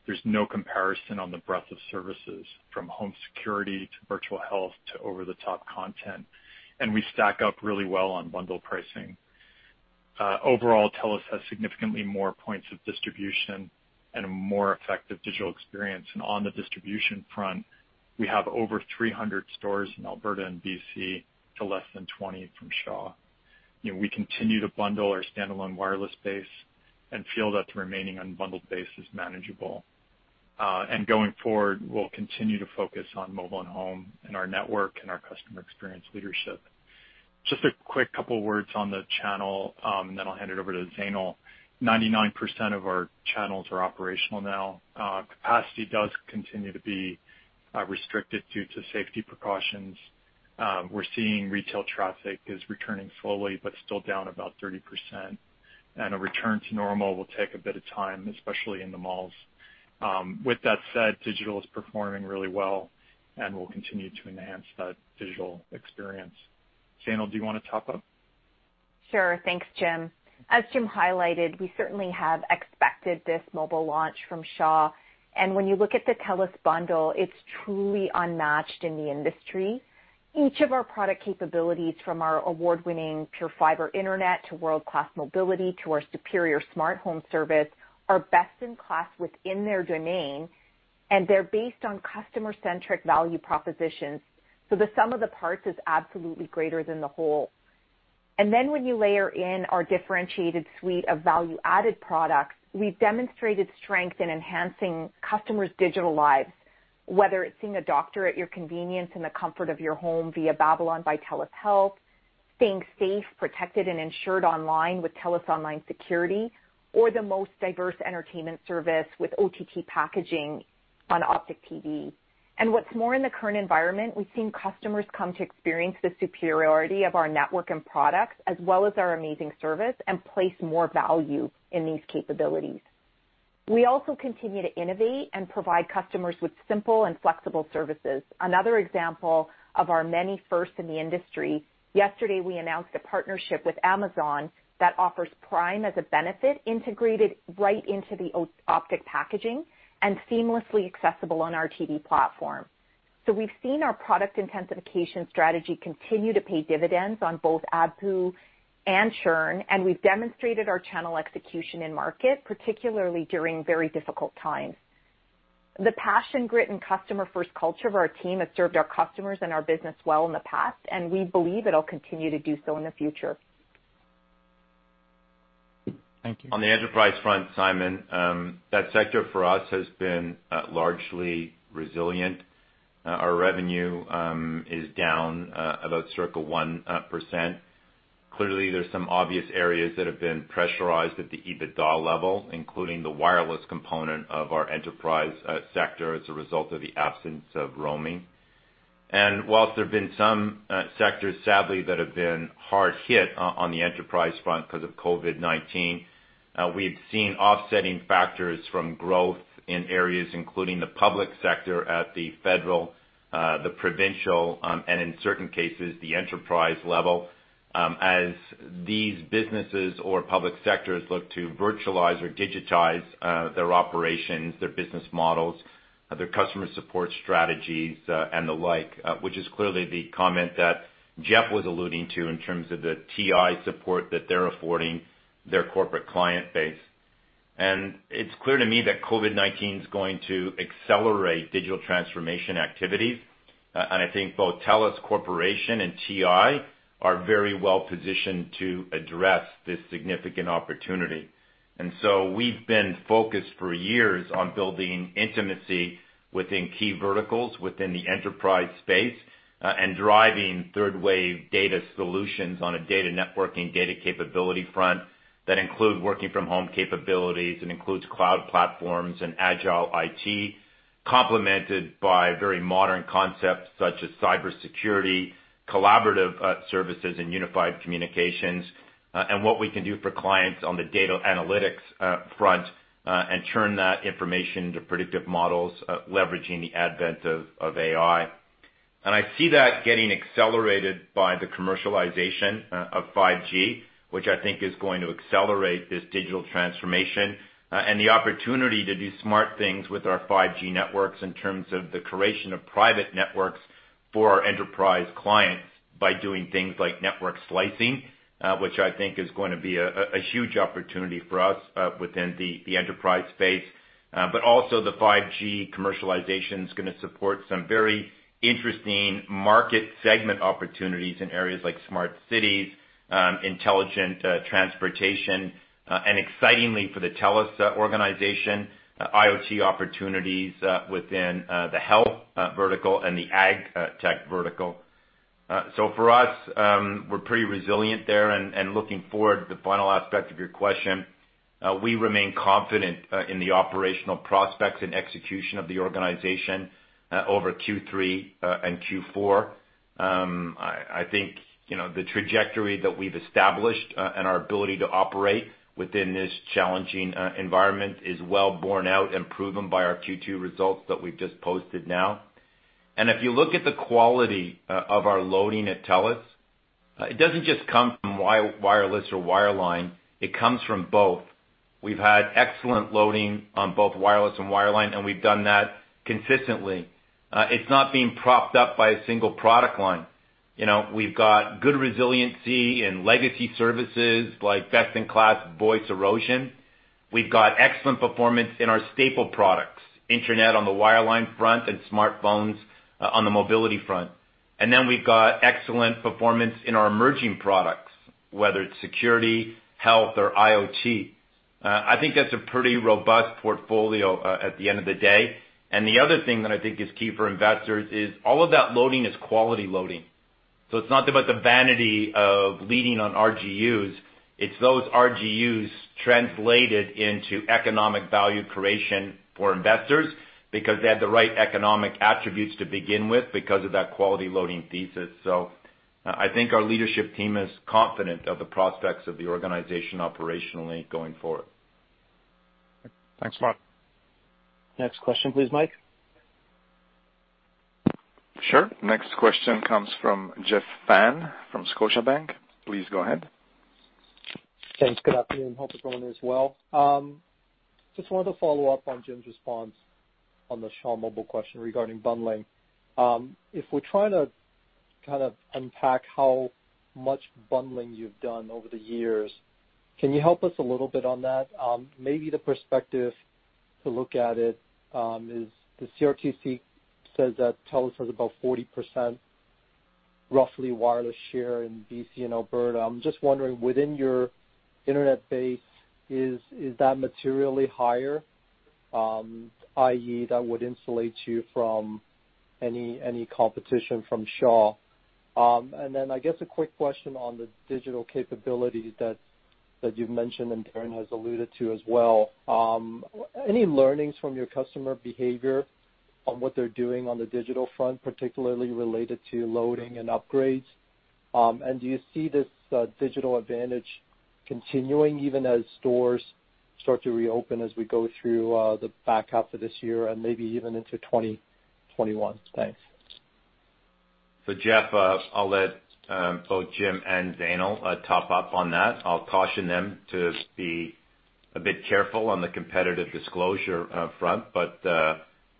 There's no comparison on the breadth of services, from home security to virtual health to over-the-top content, and we stack up really well on bundle pricing. Overall, TELUS has significantly more points of distribution and a more effective digital experience. On the distribution front, we have over 300 stores in Alberta and B.C. to less than 20 from Shaw. We continue to bundle our standalone wireless base and feel that the remaining unbundled base is manageable. Going forward, we'll continue to focus on mobile and home and our network and our customer experience leadership. Just a quick couple words on the channel, then I'll hand it over to Zainul. 99% of our channels are operational now. Capacity does continue to be restricted due to safety precautions. We're seeing retail traffic is returning slowly, but still down about 30%. A return to normal will take a bit of time, especially in the malls. With that said, digital is performing really well, and we'll continue to enhance that digital experience. Zainul, do you want to top up? Sure. Thanks, Jim. As Jim highlighted, we certainly have expected this mobile launch from Shaw. When you look at the TELUS bundle, it's truly unmatched in the industry. Each of our product capabilities, from our award-winning PureFibre internet to world-class mobility to our superior smart home service, are best in class within their domain, and they're based on customer-centric value propositions. The sum of the parts is absolutely greater than the whole. When you layer in our differentiated suite of value-added products, we've demonstrated strength in enhancing customers' digital lives, whether it's seeing a doctor at your convenience in the comfort of your home via Babylon by TELUS Health, staying safe, protected, and insured online with TELUS Online Security, or the most diverse entertainment service with OTT packaging on Optik TV. What's more in the current environment, we've seen customers come to experience the superiority of our network and products, as well as our amazing service, and place more value in these capabilities. We also continue to innovate and provide customers with simple and flexible services. Another example of our many firsts in the industry, yesterday, we announced a partnership with Amazon that offers Prime as a benefit integrated right into the Optik packaging and seamlessly accessible on our TV platform. We've seen our product intensification strategy continue to pay dividends on both ARPU and churn, and we've demonstrated our channel execution in market, particularly during very difficult times. The passion, grit, and customer-first culture of our team has served our customers and our business well in the past, and we believe it'll continue to do so in the future. Thank you. On the enterprise front, Simon, that sector for us has been largely resilient. Our revenue is down about 1%. Clearly, there's some obvious areas that have been pressurized at the EBITDA level, including the wireless component of our enterprise sector as a result of the absence of roaming. Whilst there have been some sectors, sadly, that have been hard hit on the enterprise front because of COVID-19, we've seen offsetting factors from growth in areas including the public sector at the federal, the provincial, and in certain cases, the enterprise level, as these businesses or public sectors look to virtualize or digitize their operations, their business models, their customer support strategies, and the like which is clearly the comment that Jeff was alluding to in terms of the TI support that they're affording their corporate client base. It's clear to me that COVID-19's going to accelerate digital transformation activity. I think both TELUS Corporation and TI are very well-positioned to address this significant opportunity. So we've been focused for years on building intimacy within key verticals within the enterprise space, and driving third-wave data solutions on a data networking, data capability front that include working from home capabilities, it includes cloud platforms and agile IT, complemented by very modern concepts such as cybersecurity, collaborative services, and unified communications, and what we can do for clients on the data analytics front, and turn that information into predictive models, leveraging the advent of AI. I see that getting accelerated by the commercialization of 5G, which I think is going to accelerate this digital transformation. The opportunity to do smart things with our 5G networks in terms of the creation of private networks for our enterprise clients by doing things like network slicing, which I think is going to be a huge opportunity for us within the enterprise space. Also the 5G commercialization's going to support some very interesting market segment opportunities in areas like smart cities, intelligent transportation, and excitingly for the TELUS organization, IoT opportunities within the health vertical and the AgTech vertical. For us, we're pretty resilient there. Looking forward to the final aspect of your question, we remain confident in the operational prospects and execution of the organization over Q3 and Q4. I think the trajectory that we've established, and our ability to operate within this challenging environment is well borne out and proven by our Q2 results that we've just posted now. If you look at the quality of our loading at TELUS, it doesn't just come from wireless or wireline, it comes from both. We've had excellent loading on both wireless and wireline, and we've done that consistently. It's not being propped up by a single product line. We've got good resiliency in legacy services like best-in-class voice erosion. We've got excellent performance in our staple products, internet on the wireline front and smartphones on the mobility front. We've got excellent performance in our emerging products, whether it's security, health, or IoT. I think that's a pretty robust portfolio, at the end of the day. The other thing that I think is key for investors is all of that loading is quality loading. It's not about the vanity of leading on RGUs, it's those RGUs translated into economic value creation for investors because they had the right economic attributes to begin with because of that quality loading thesis. I think our leadership team is confident of the prospects of the organization operationally going forward. Thanks a lot. Next question please, Mike. Sure. Next question comes from Jeff Fan from Scotiabank. Please go ahead. Thanks. Good afternoon. Hope everyone is well. Just wanted to follow up on Jim's response on the Shaw Mobile question regarding bundling. If we're trying to kind of unpack how much bundling you've done over the years, can you help us a little bit on that? Maybe the perspective to look at it is the CRTC says that TELUS has about 40%, roughly, wireless share in B.C. and Alberta. I'm just wondering, within your internet base, is that materially higher? i.e., that would insulate you from any competition from Shaw. Then, I guess a quick question on the digital capability that you've mentioned and Darren has alluded to as well. Any learnings from your customer behavior on what they're doing on the digital front, particularly related to loading and upgrades? Do you see this digital advantage continuing even as stores start to reopen as we go through the back half of this year and maybe even into 2021? Thanks. Jeff, I'll let both Jim and Zainul top up on that. I'll caution them to be a bit careful on the competitive disclosure front, but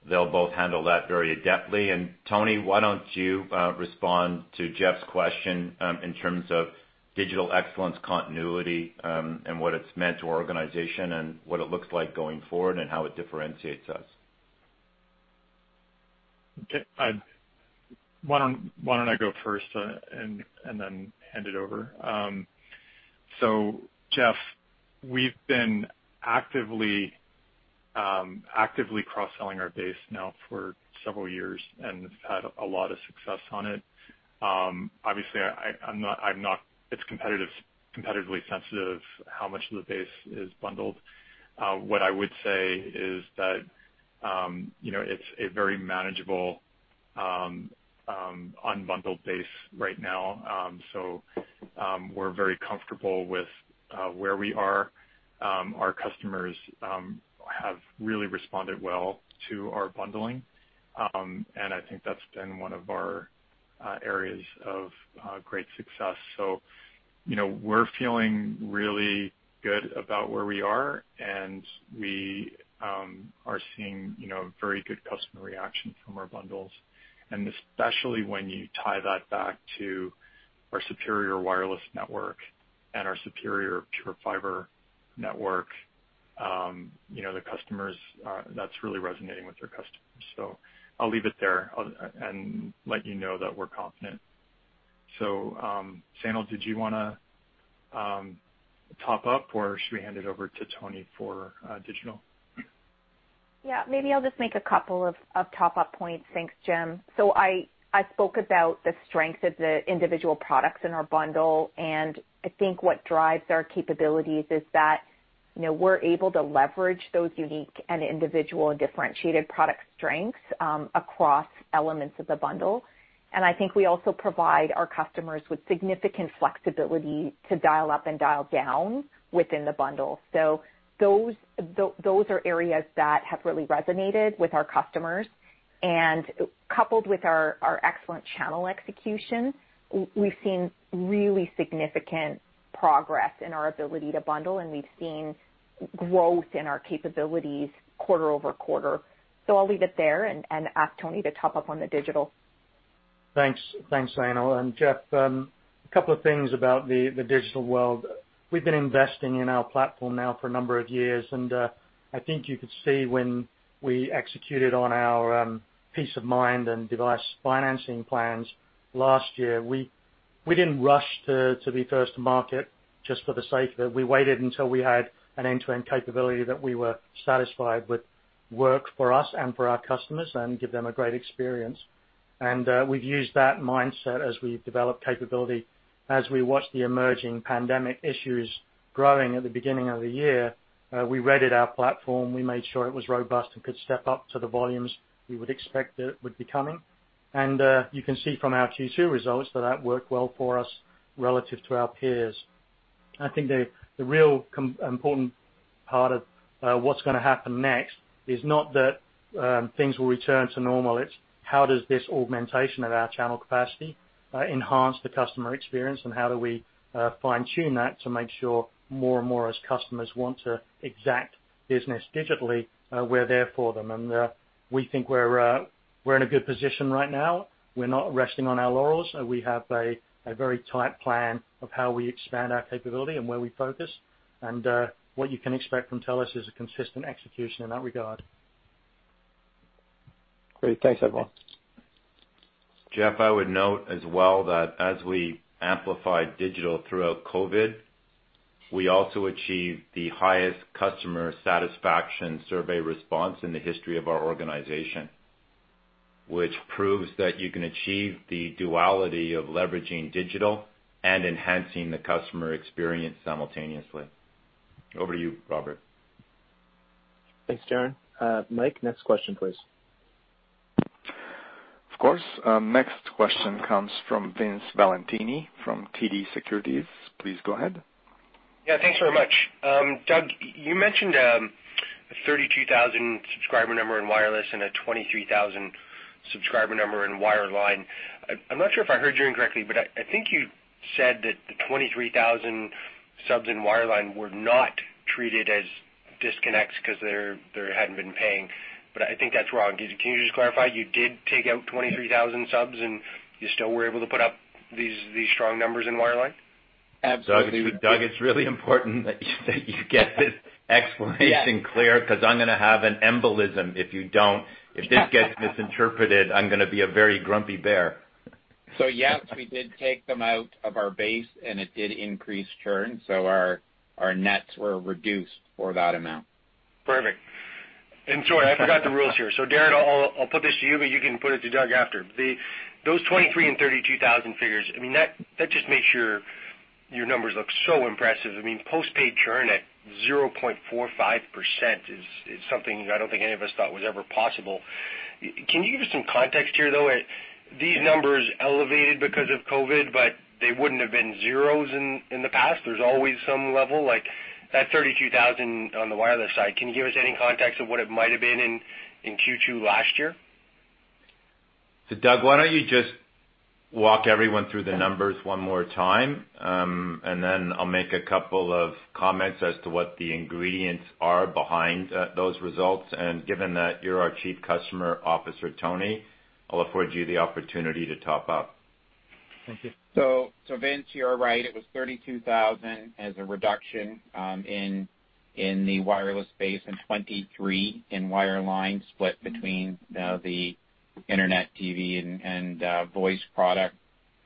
they'll both handle that very adeptly. Tony, why don't you respond to Jeff's question in terms of digital excellence continuity, and what it's meant to our organization and what it looks like going forward and how it differentiates us. Why don't I go first and then hand it over? Jeff, we've been actively cross-selling our base now for several years and have had a lot of success on it. Obviously, I'm not, it's competitive, competitively sensitive how much of the base is bundled. What I would say is that it's a very manageable unbundled base right now. We're very comfortable with where we are. Our customers have really responded well to our bundling. I think that's been one of our areas of great success. We're feeling really good about where we are, and we are seeing very good customer reaction from our bundles. Especially when you tie that back to our superior wireless network and our superior PureFibre network, you know the customers, that's really resonating with their customers. I'll leave it there and let you know that we're confident. Zainul, did you want to top up, or should we hand it over to Tony for digital? Maybe I'll just make a couple of top-up points. Thanks, Jim. I spoke about the strength of the individual products in our bundle, and I think what drives our capabilities is that we're able to leverage those unique and individual differentiated product strengths across elements of the bundle. I think we also provide our customers with significant flexibility to dial up and dial down within the bundle. Those are areas that have really resonated with our customers. Coupled with our excellent channel execution, we've seen really significant progress in our ability to bundle, and we've seen growth in our capabilities quarter-over-quarter. I'll leave it there and ask Tony to top up on the digital. Thanks, Zainul. Jeff, a couple of things about the digital world. We've been investing in our platform now for a number of years, and I think you could see when we executed on our Peace of Mind and device financing plans last year, we didn't rush to be first to market just for the sake of it. We waited until we had an end-to-end capability that we were satisfied would work for us and for our customers and give them a great experience. We've used that mindset as we've developed capability. As we watched the emerging pandemic issues growing at the beginning of the year, we readied our platform. We made sure it was robust and could step up to the volumes we would expect that would be coming. You can see from our Q2 results that that worked well for us relative to our peers. I think the real important part of what's going to happen next is not that things will return to normal. It's how does this augmentation of our channel capacity enhance the customer experience, how do we fine-tune that to make sure more and more as customers want to transact business digitally, we're there for them. We think we're in a good position right now. We're not resting on our laurels. We have a very tight plan of how we expand our capability and where we focus. What you can expect from TELUS is a consistent execution in that regard. Great. Thanks, everyone. Jeff, I would note as well that as we amplify digital throughout COVID, we also achieve the highest customer satisfaction survey response in the history of our organization, which proves that you can achieve the duality of leveraging digital and enhancing the customer experience simultaneously. Over to you, Robert. Thanks, Darren. Mike, next question, please. Of course. Next question comes from Vince Valentini from TD Securities. Please go ahead. Yeah, thanks very much. Doug, you mentioned a 32,000 subscriber number in wireless and a 23,000 subscriber number in wireline. I'm not sure if I heard you incorrectly, but I think you said that the 23,000 subs in wireline were not treated as disconnects because they hadn't been paying, but I think that's wrong. Can you just clarify? You did take out 23,000 subs and you still were able to put up these strong numbers in wireline? Absolutely. Doug, it's really important that you get this explanation clear because I'm going to have an embolism if you don't. If this gets misinterpreted, I'm going to be a very grumpy bear. Yes, we did take them out of our base, and it did increase churn, so our nets were reduced for that amount. Perfect. Sorry, I forgot the rules here. Darren, I'll put this to you, but you can put it to Doug after. Those 23,000 and 32,000 figures, that just makes your numbers look so impressive. Post-paid churn at 0.45% is something I don't think any of us thought was ever possible. Can you give us some context here, though? Are these numbers elevated because of COVID, but they wouldn't have been zeros in the past? There's always some level, like that 32,000 on the wireless side. Can you give us any context of what it might've been in Q2 last year? Doug, why don't you just walk everyone through the numbers one more time? I'll make a couple of comments as to what the ingredients are behind those results. Given that you're our Chief Customer Officer, Tony, I'll afford you the opportunity to top up. Thank you. Vince, you're right. It was 32,000 as a reduction in the wireless space and 23,000 in wireline, split between the internet, TV, and voice product.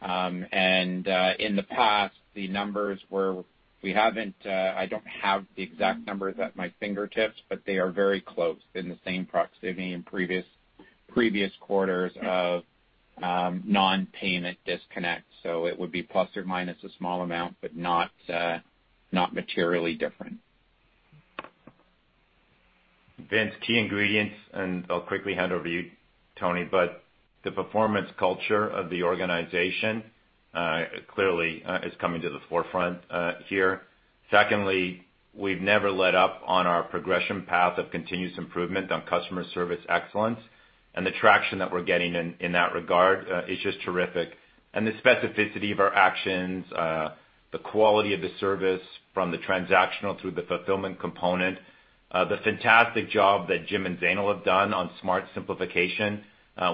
In the past, the numbers were. I don't have the exact numbers at my fingertips, but they are very close, in the same proximity in previous quarters of non-payment disconnect. It would be plus or minus a small amount, but not materially different. Vince, key ingredients, I'll quickly hand over to you, Tony, but the performance culture of the organization clearly is coming to the forefront here. Secondly, we've never let up on our progression path of continuous improvement on customer service excellence, and the traction that we're getting in that regard is just terrific. The specificity of our actions, the quality of the service from the transactional through the fulfillment component, the fantastic job that Jim and Zainul have done on smart simplification,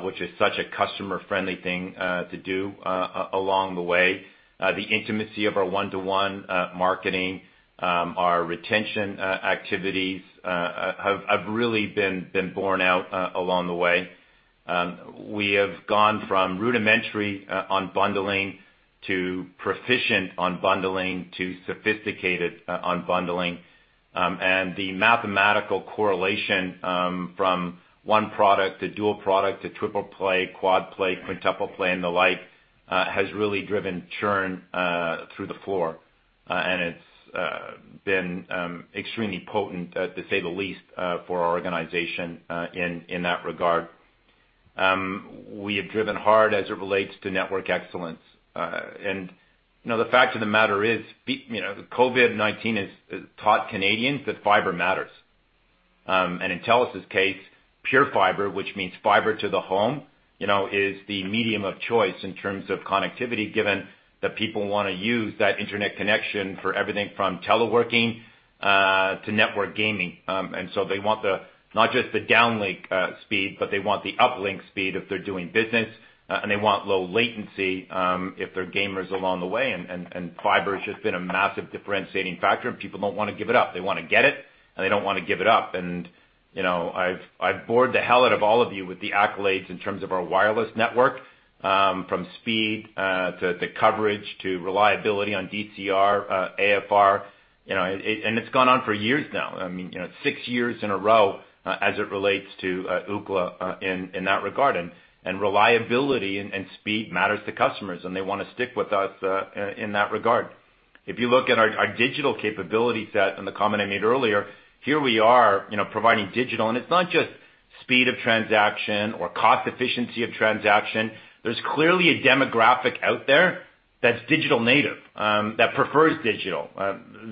which is such a customer-friendly thing to do along the way. The intimacy of our one-to-one marketing, our retention activities, have really been borne out along the way. We have gone from rudimentary on bundling to proficient on bundling to sophisticated on bundling. The mathematical correlation from one product to dual product to triple play, quad play, quintuple play, and the like, has really driven churn through the floor. It's been extremely potent, to say the least, for our organization in that regard. We have driven hard as it relates to network excellence. The fact of the matter is, COVID-19 has taught Canadians that fiber matters. In TELUS' case, PureFibre, which means fiber to the home, is the medium of choice in terms of connectivity, given that people want to use that internet connection for everything from teleworking to network gaming. They want not just the downlink speed, but they want the uplink speed if they're doing business, and they want low latency if they're gamers along the way. Fiber has just been a massive differentiating factor, and people don't want to give it up. They want to get it, they don't want to give it up. I've bored the hell out of all of you with the accolades in terms of our wireless network, from speed to coverage to reliability on DCR, AFR, it's gone on for years now. I mean, six years in a row as it relates to Ookla in that regarding. Reliability and speed matters to customers, they want to stick with us in that regard. If you look at our digital capability set and the comment I made earlier, here we are providing digital, it's not just speed of transaction or cost efficiency of transaction. There's clearly a demographic out there that's digital native, that prefers digital.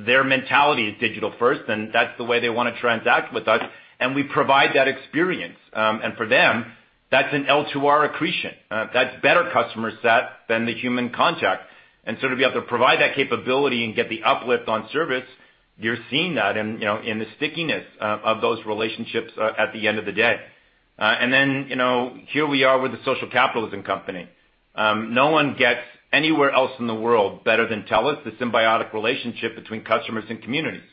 Their mentality is digital first, that's the way they want to transact with us, we provide that experience. For them, that's an L2R accretion. That's better customer set than the human contact. To be able to provide that capability and get the uplift on service, you're seeing that in the stickiness of those relationships at the end of the day. Here we are with the social capitalism company. No one gets anywhere else in the world better than TELUS, the symbiotic relationship between customers and communities.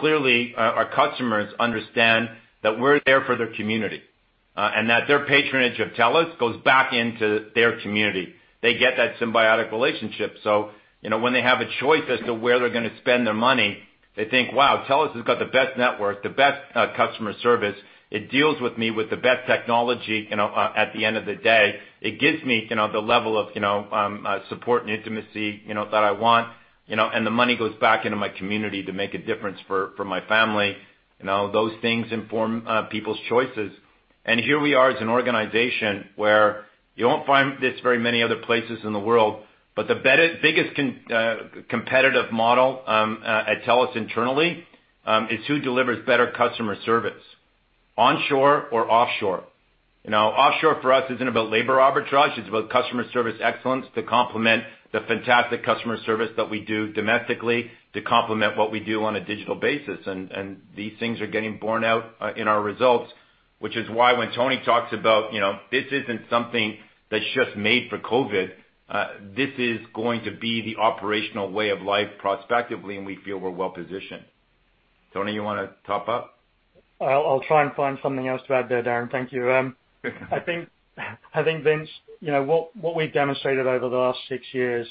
Clearly, our customers understand that we're there for their community and that their patronage of TELUS goes back into their community. They get that symbiotic relationship. When they have a choice as to where they're going to spend their money, they think, "Wow, TELUS has got the best network, the best customer service. It deals with me with the best technology at the end of the day. It gives me the level of support and intimacy that I want, and the money goes back into my community to make a difference for my family." Those things inform people's choices. Here we are as an organization where you won't find this very many other places in the world, but the biggest competitive model at TELUS internally is who delivers better customer service, onshore or offshore. Offshore for us isn't about labor arbitrage. It's about customer service excellence to complement the fantastic customer service that we do domestically to complement what we do on a digital basis. These things are getting borne out in our results, which is why when Tony talks about, this isn't something that's just made for COVID. This is going to be the operational way of life prospectively, and we feel we're well-positioned. Tony, you want to top up? I'll try and find something else to add there, Darren. Thank you. I think, Vince, what we've demonstrated over the last six years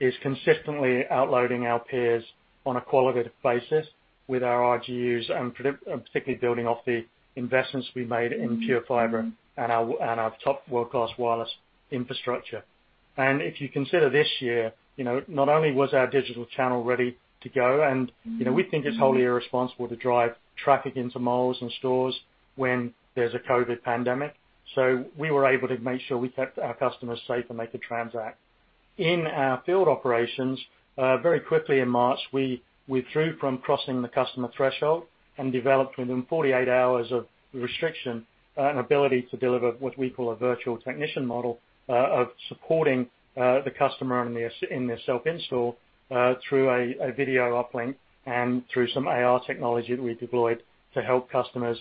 is consistently outloading our peers on a qualitative basis with our RGUs and particularly building off the investments we made in PureFibre and our top world-class wireless infrastructure. If you consider this year, not only was our digital channel ready to go, and we think it's wholly irresponsible to drive traffic into malls and stores when there's a COVID pandemic. We were able to make sure we kept our customers safe and make a transact. In our field operations, very quickly in March, we withdrew from crossing the customer threshold and developed within 48 hours of restriction an ability to deliver what we call a virtual technician model of supporting the customer in their self-install through a video uplink and through some AR technology that we deployed to help customers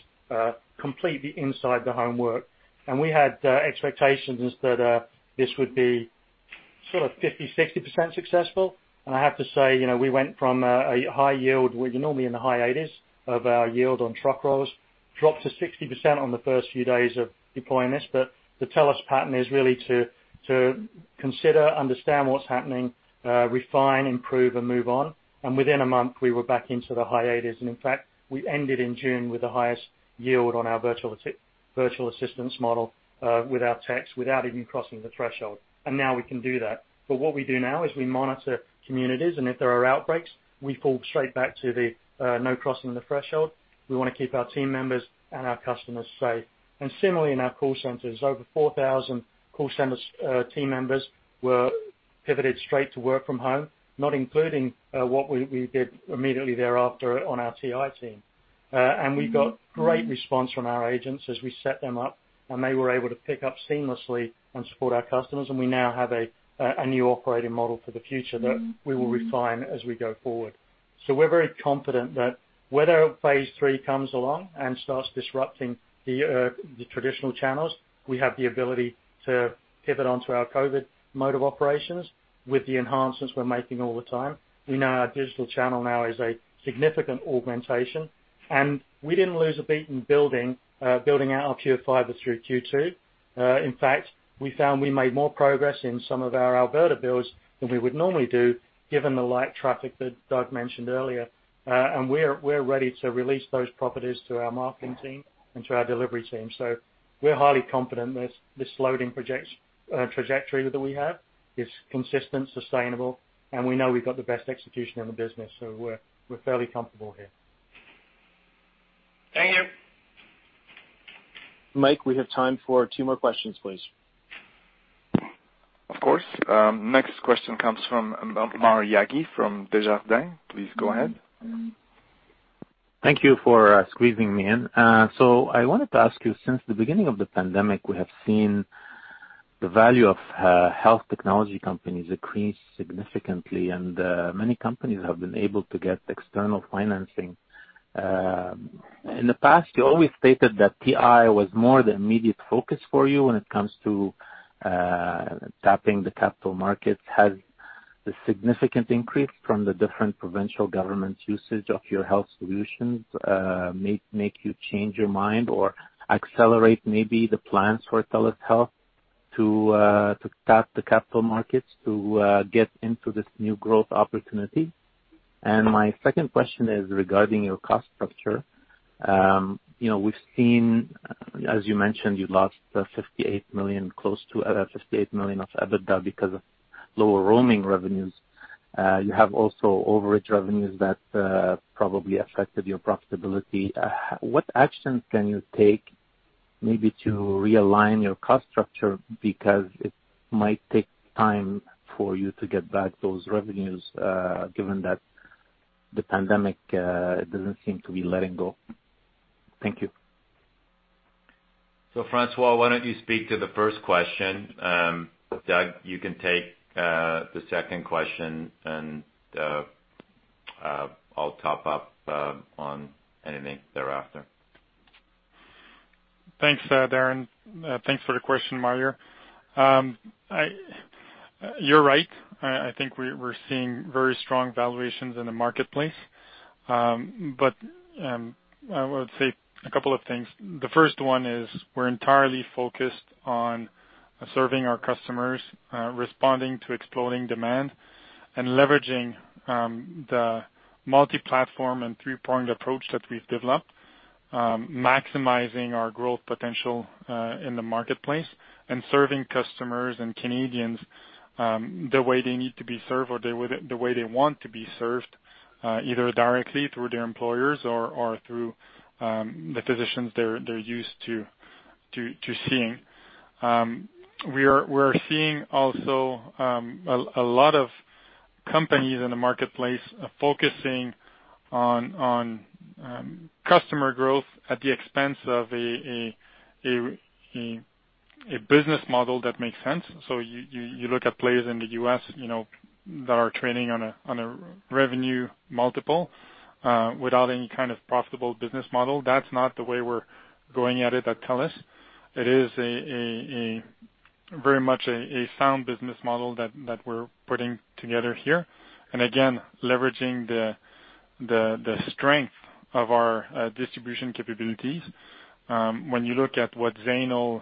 complete the inside the home work. We had expectations that this would be sort of 50%-60% successful. I have to say, we went from a high yield. We're normally in the high 80s of our yield on truck rolls, dropped to 60% on the first few days of deploying this. The TELUS pattern is really to consider, understand what's happening, refine, improve, and move on. Within a month, we were back into the high 80s. In fact, we ended in June with the highest yield on our virtual assistance model without techs, without even crossing the threshold. Now we can do that. What we do now is we monitor communities, and if there are outbreaks, we fall straight back to the no crossing the threshold. We want to keep our team members and our customers safe. Similarly in our call centers, over 4,000 call centers team members were pivoted straight to work from home, not including what we did immediately thereafter on our TI team. We got great response from our agents as we set them up, and they were able to pick up seamlessly and support our customers. We now have a new operating model for the future that we will refine as we go forward. We're very confident that whether phase three comes along and starts disrupting the traditional channels, we have the ability to pivot onto our COVID mode of operations with the enhancements we're making all the time. We know our digital channel now is a significant augmentation, and we didn't lose a beat in building, building out to PureFibre through Q2. In fact, we found we made more progress in some of our Alberta builds than we would normally do, given the light traffic that Doug mentioned earlier. We're ready to release those properties to our marketing team and to our delivery team. We're highly confident this loading trajectory that we have is consistent, sustainable, and we know we've got the best execution in the business. We're fairly comfortable here. Thank you. Mike, we have time for two more questions, please. Of course. Next question comes from Maher Yaghi from Desjardins. Please go ahead. Thank you for squeezing me in. I wanted to ask you, since the beginning of the pandemic, we have seen the value of health technology companies increase significantly, and many companies have been able to get external financing. In the past, you always stated that TI was more the immediate focus for you when it comes to tapping the capital markets. Has the significant increase from the different provincial governments' usage of your health solutions made you change your mind or accelerate maybe the plans for telehealth to tap the capital markets to get into this new growth opportunity? My second question is regarding your cost structure. We've seen, as you mentioned, you lost 58 million, close to 58 million of EBITDA because of lower roaming revenues. You have also overage revenues that probably affected your profitability. What actions can you take maybe to realign your cost structure? Because it might take time for you to get back those revenues, given that the pandemic doesn't seem to be letting go. Thank you. François, why don't you speak to the first question? Doug, you can take the second question, and I'll top up on anything thereafter. Thanks, Darren. Thanks for the question, Maher. You're right. I think we were seeing very strong valuations in the marketplace. I would say a couple of things. The first one is we're entirely focused on serving our customers, responding to exploding demand, and leveraging the multi-platform and three-pronged approach that we've developed, maximizing our growth potential in the marketplace, and serving customers and Canadians the way they need to be served or the way they want to be served, either directly through their employers or through the physicians they're used to seeing. We're seeing also a lot of companies in the marketplace focusing on customer growth at the expense of a business model that makes sense. You look at players in the U.S. that are trading on a revenue multiple without any kind of profitable business model. That's not the way we're going at it at TELUS. It is very much a sound business model that we're putting together here. Again, leveraging the strength of our distribution capabilities. When you look at what Zainul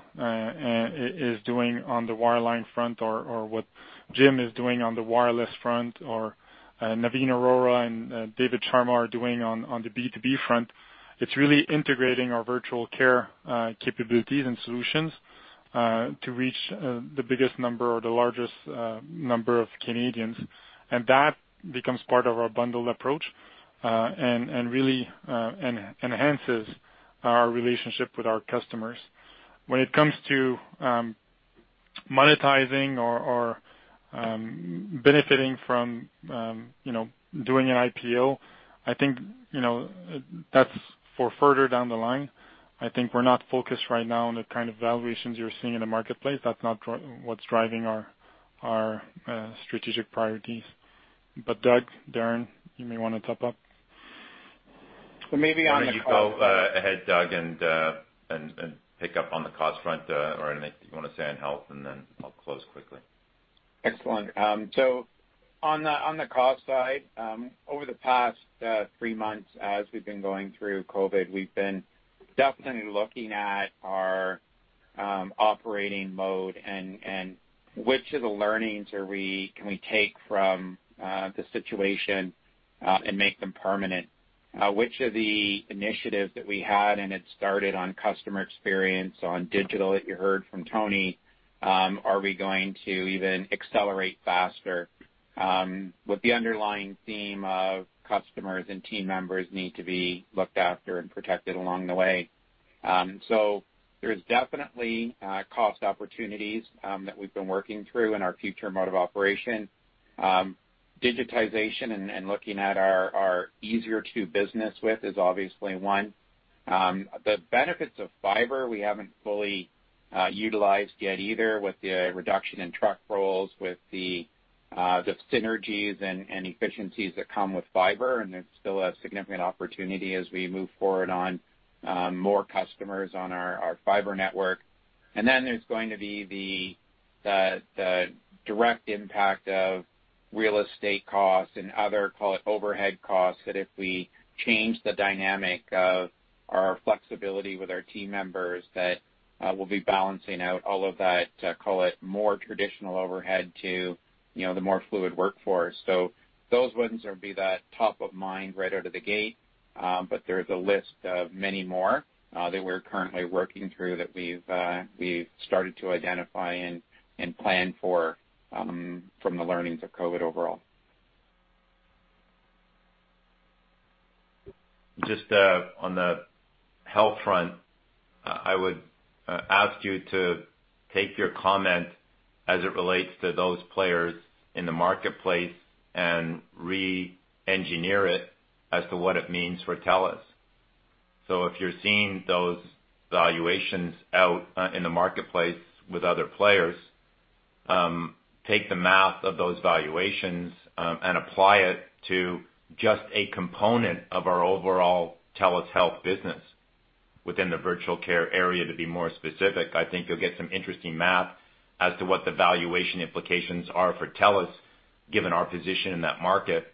is doing on the wireline front or what Jim is doing on the wireless front or Navin Arora and David Sharma are doing on the B2B front, it's really integrating our virtual care capabilities and solutions to reach the biggest number or the largest number of Canadians. That becomes part of our bundled approach and really enhances our relationship with our customers. When it comes to monetizing or benefiting from doing an IPO, I think that's for further down the line. I think we're not focused right now on the kind of valuations you're seeing in the marketplace. That's not what's driving our strategic priorities. Doug, Darren, you may want to top up. Maybe you go ahead, Doug, and pick up on the cost front or anything you want to say on Health, and then I'll close quickly. Excellent. On the cost side, over the past three months as we've been going through COVID, we've been definitely looking at our operating mode and which of the learnings can we take from the situation and make them permanent. Which of the initiatives that we had and had started on customer experience, on digital that you heard from Tony, are we going to even accelerate faster with the underlying theme of customers and team members need to be looked after and protected along the way. There's definitely cost opportunities that we've been working through in our future mode of operation. Digitization and looking at our easier to business with is obviously one. The benefits of fiber we haven't fully utilized yet either with the reduction in truck rolls, with the synergies and efficiencies that come with fiber, and there's still a significant opportunity as we move forward on more customers on our fiber network. There's going to be the direct impact of real estate costs and other, call it overhead costs, that if we change the dynamic of our flexibility with our team members, that we'll be balancing out all of that, call it more traditional overhead to the more fluid workforce. Those ones will be the top of mind right out of the gate. There's a list of many more, that we're currently working through that we've started to identify and plan for from the learnings of COVID overall. Just on the health front, I would ask you to take your comment as it relates to those players in the marketplace and re-engineer it as to what it means for TELUS. If you're seeing those valuations out in the marketplace with other players, take the math of those valuations, and apply it to just a component of our overall TELUS Health business within the virtual care area to be more specific. I think you'll get some interesting math as to what the valuation implications are for TELUS, given our position in that market.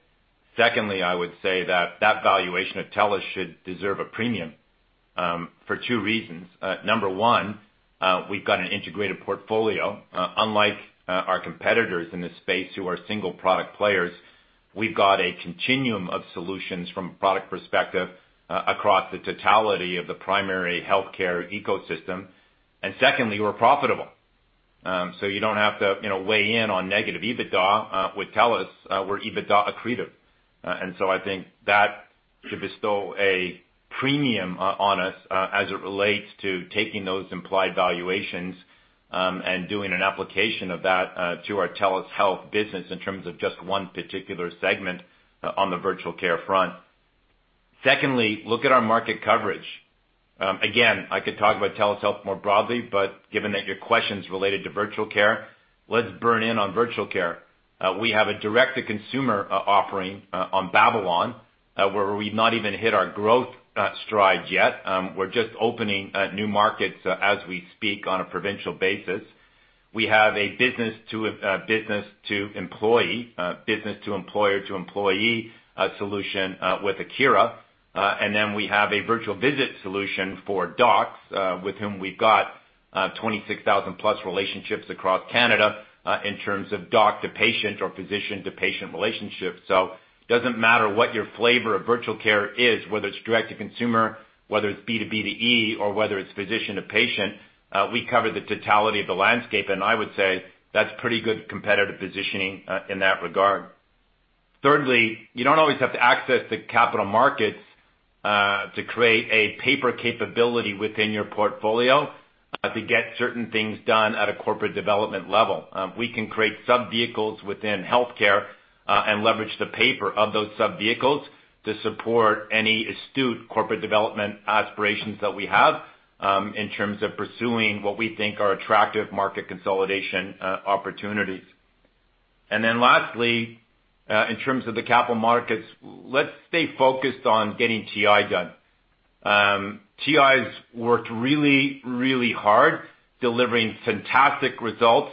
Secondly, I would say that that valuation of TELUS should deserve a premium, for two reasons. Number one, we've got an integrated portfolio. Unlike our competitors in this space who are single-product players, we've got a continuum of solutions from a product perspective, across the totality of the primary healthcare ecosystem. Secondly, we're profitable. You don't have to weigh in on negative EBITDA with TELUS. We're EBITDA accretive. I think that should bestow a premium on us as it relates to taking those implied valuations, and doing an application of that to our TELUS Health business in terms of just one particular segment on the virtual care front. Secondly, look at our market coverage. Again, I could talk about TELUS Health more broadly, but given that your question's related to virtual care, let's burn in on virtual care. We have a direct-to-consumer offering on Babylon, where we've not even hit our growth strides yet. We're just opening new markets as we speak on a provincial basis. We have a business-to-business-to-employee, business-to-employer-to-employee solution with Akira. We have a virtual visit solution for docs, with whom we've got 26,000-plus relationships across Canada, in terms of doc-to-patient or physician-to-patient relationships. It doesn't matter what your flavor of virtual care is, whether it's direct to consumer, whether it's B2B2E, or whether it's physician to patient, we cover the totality of the landscape, and I would say that's pretty good competitive positioning in that regard. Thirdly, you don't always have to access the capital markets to create a paper capability within your portfolio to get certain things done at a corporate development level. We can create sub-vehicles within healthcare and leverage the paper of those sub-vehicles to support any astute corporate development aspirations that we have, in terms of pursuing what we think are attractive market consolidation opportunities. Lastly, in terms of the capital markets, let's stay focused on getting TI done. TI's worked really, really hard delivering fantastic results,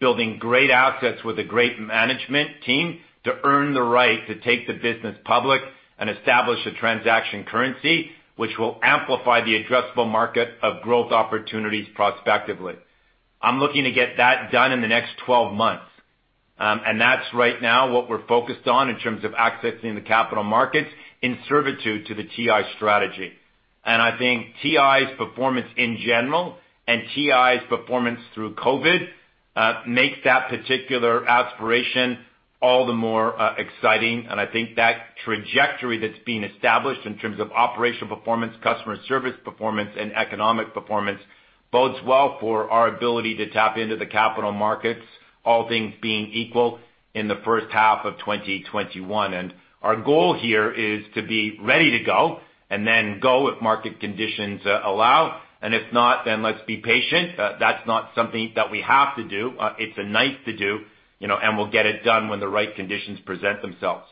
building great assets with a great management team to earn the right to take the business public and establish a transaction currency which will amplify the addressable market of growth opportunities prospectively. I'm looking to get that done in the next 12 months. That's right now what we're focused on in terms of accessing the capital markets in servitude to the TI strategy. I think TI's performance in general and TI's performance through COVID, makes that particular aspiration all the more exciting. I think that trajectory that's being established in terms of operational performance, customer service performance, and economic performance bodes well for our ability to tap into the capital markets, all things being equal, in the first half of 2021. Our goal here is to be ready to go and then go if market conditions allow. If not, then let's be patient. That's not something that we have to do, it's a nice to do, and we'll get it done when the right conditions present themselves.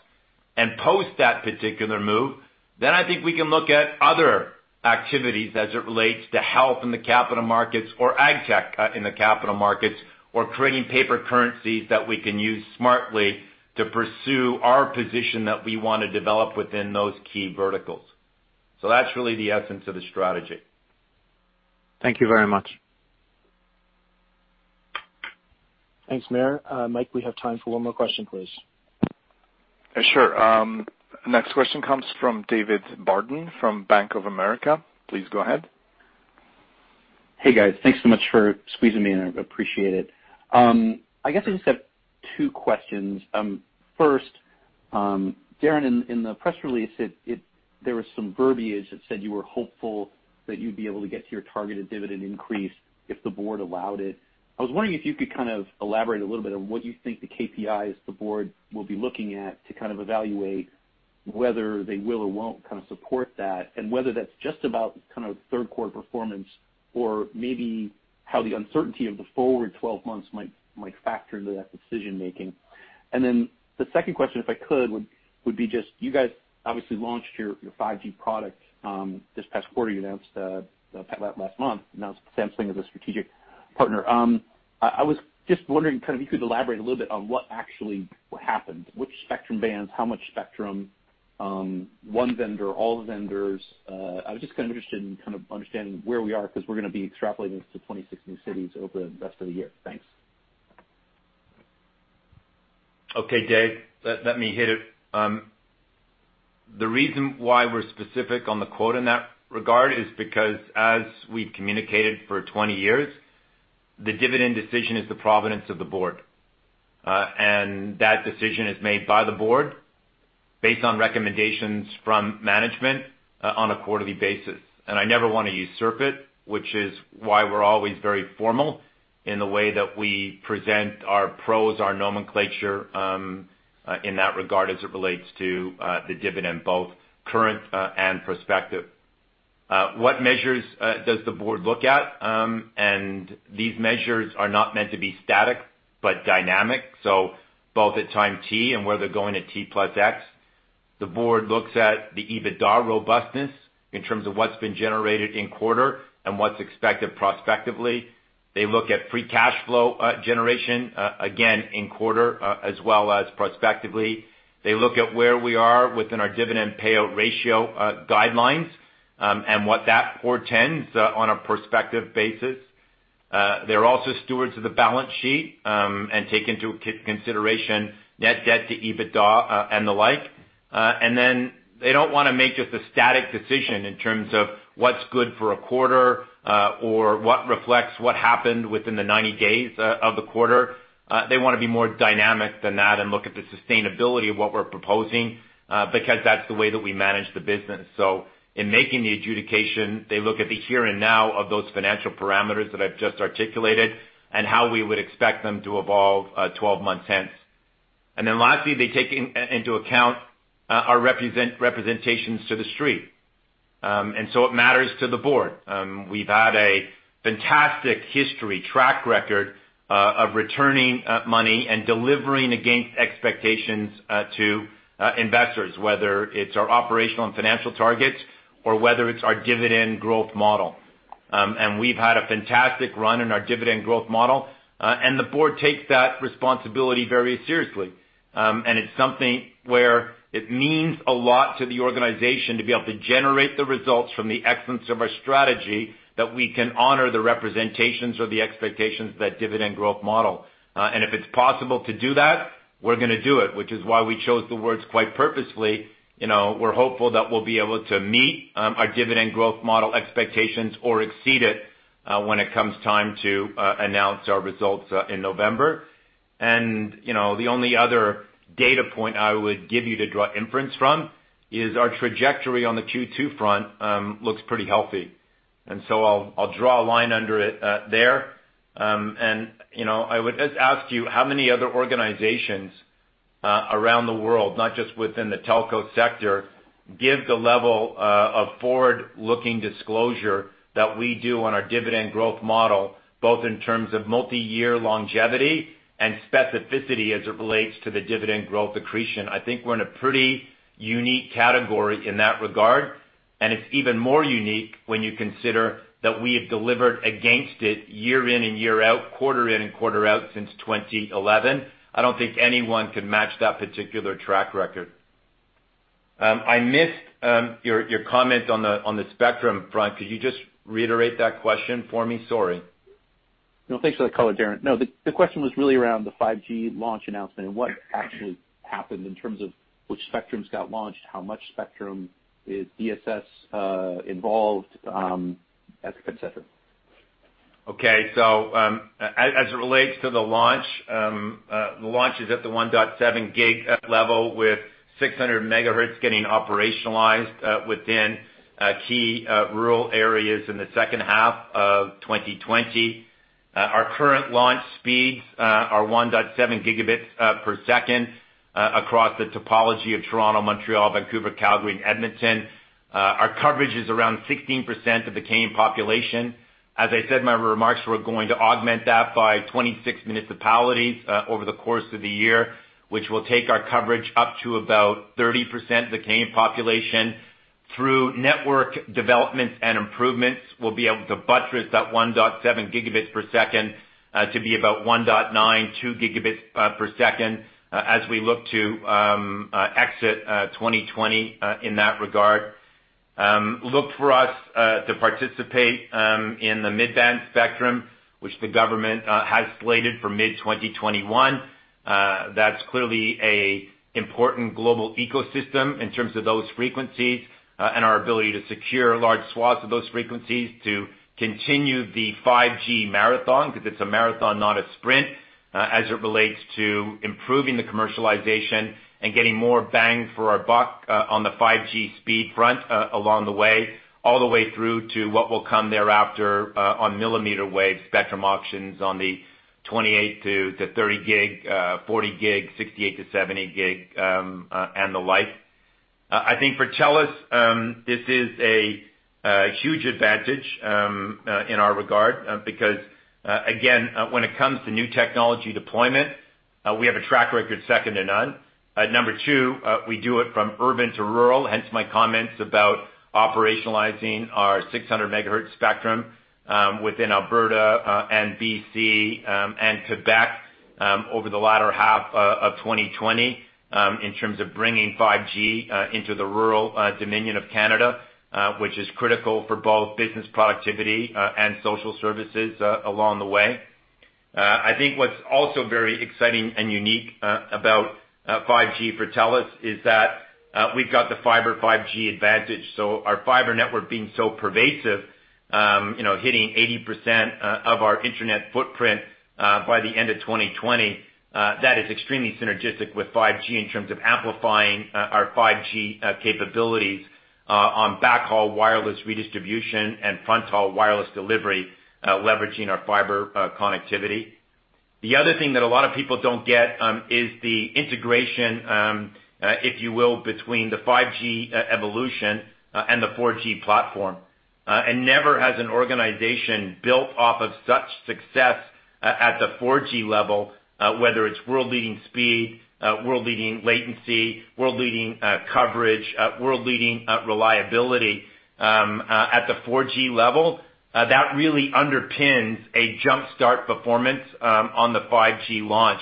Post that particular move, then I think we can look at other activities as it relates to health in the capital markets or AgTech in the capital markets, or creating paper currencies that we can use smartly to pursue our position that we want to develop within those key verticals. That's really the essence of the strategy. Thank you very much. Thanks, Maher. Mike, we have time for one more question, please. Sure. Next question comes from David Barden from Bank of America. Please go ahead. Hey, guys. Thanks so much for squeezing me in. I appreciate it. I guess I just have two questions. First, Darren, in the press release, there was some verbiage that said you were hopeful That you'd be able to get to your targeted dividend increase if the board allowed it. I was wondering if you could elaborate a little bit on what you think the KPIs the board will be looking at to evaluate whether they will or won't support that, and whether that's just about third quarter performance or maybe how the uncertainty of the forward 12 months might factor into that decision-making. The second question, if I could, would be just, you guys obviously launched your 5G product this past quarter. You announced that last month, announcing Samsung as a strategic partner. I was just wondering if you could elaborate a little bit on what actually happened, which spectrum bands, how much spectrum, one vendor, all vendors? I was just interested in understanding where we are because we're going to be extrapolating this to 26 new cities over the rest of the year. Thanks. Okay, Dave. Let me hit it. The reason why we're specific on the quote in that regard is because as we've communicated for 20 years, the dividend decision is the providence of the Board. That decision is made by the Board based on recommendations from management on a quarterly basis. I never want to usurp it, which is why we're always very formal in the way that we present our pros, our nomenclature, in that regard as it relates to the dividend, both current and prospective. What measures does the Board look at? These measures are not meant to be static but dynamic, so both at time T and where they're going at T plus X. The Board looks at the EBITDA robustness in terms of what's been generated in quarter and what's expected prospectively. They look at free cash flow generation, again in quarter, as well as prospectively. They look at where we are within our dividend payout ratio guidelines, and what that portends on a prospective basis. They are also stewards of the balance sheet, and take into consideration net debt to EBITDA and the like. They don't want to make just a static decision in terms of what's good for a quarter or what reflects what happened within the 90 days of the quarter. They want to be more dynamic than that and look at the sustainability of what we're proposing, because that's the way that we manage the business. In making the adjudication, they look at the here and now of those financial parameters that I've just articulated and how we would expect them to evolve 12 months hence. Lastly, they take into account our representations to the street. It matters to the board. We've had a fantastic history track record of returning money and delivering against expectations to investors, whether it's our operational and financial targets or whether it's our dividend growth model. We've had a fantastic run in our dividend growth model, and the board takes that responsibility very seriously. It's something where it means a lot to the organization to be able to generate the results from the excellence of our strategy that we can honor the representations or the expectations of that dividend growth model. If it's possible to do that, we're going to do it, which is why we chose the words quite purposefully. We're hopeful that we'll be able to meet our dividend growth model expectations or exceed it, when it comes time to announce our results in November. The only other data point I would give you to draw inference from is our trajectory on the Q2 front looks pretty healthy. So I'll draw a line under it there. I would just ask you how many other organizations around the world, not just within the telco sector, give the level of forward-looking disclosure that we do on our dividend growth model, both in terms of multi-year longevity and specificity as it relates to the dividend growth accretion. I think we're in a pretty unique category in that regard, and it's even more unique when you consider that we have delivered against it year in and year out, quarter in and quarter out since 2011. I don't think anyone can match that particular track record. I missed your comment on the spectrum front. Could you just reiterate that question for me? Sorry. No, thanks for the call, Darren. No, the question was really around the 5G launch announcement and what actually happened in terms of which spectrums got launched, how much spectrum, is DSS involved, et cetera? Okay. As it relates to the launch, the launch is at the 1.7 Gb level with 600 MHz getting operationalized within key rural areas in the second half of 2020. Our current launch speeds are 1.7 Gb per second across the topology of Toronto, Montreal, Vancouver, Calgary, and Edmonton. Our coverage is around 16% of the gained population. As I said in my remarks, we're going to augment that by 26 municipalities over the course of the year, which will take our coverage up to about 30% of the gained population. Through network developments and improvements, we'll be able to buttress that 1.7 Gb per second to be about 1.92 Gb per second as we look to exit 2020 in that regard. Look for us to participate in the mid-band spectrum, which the government has slated for mid-2021. That's clearly an important global ecosystem in terms of those frequencies and our ability to secure large swaths of those frequencies to continue the 5G marathon, because it's a marathon, not a sprint, as it relates to improving the commercialization and getting more bang for our buck on the 5G speed front along the way, all the way through to what will come thereafter on millimeter wave spectrum auctions on the 28 Gb-30 Gb, 40 Gb, 68 Gb-70 Gb, and the like. I think for TELUS, this is a huge advantage in our regard because, again, when it comes to new technology deployment, we have a track record second to none. Number two, we do it from urban to rural, hence my comments about operationalizing our 600 MHz spectrum within Alberta and B.C., and Quebec over the latter half of 2020 in terms of bringing 5G into the rural dominion of Canada, which is critical for both business productivity and social services along the way. I think what's also very exciting and unique about 5G for TELUS is that we've got the fiber 5G advantage. Our fiber network being so pervasive, hitting 80% of our internet footprint by the end of 2020, that is extremely synergistic with 5G in terms of amplifying our 5G capabilities on backhaul wireless redistribution and fronthaul wireless delivery, leveraging our fiber connectivity. The other thing that a lot of people don't get is the integration, if you will, between the 5G evolution and the 4G platform. Never has an organization built off of such success at the 4G level, whether it's world-leading speed, world-leading latency, world-leading coverage, world-leading reliability at the 4G level. That really underpins a jumpstart performance on the 5G launch,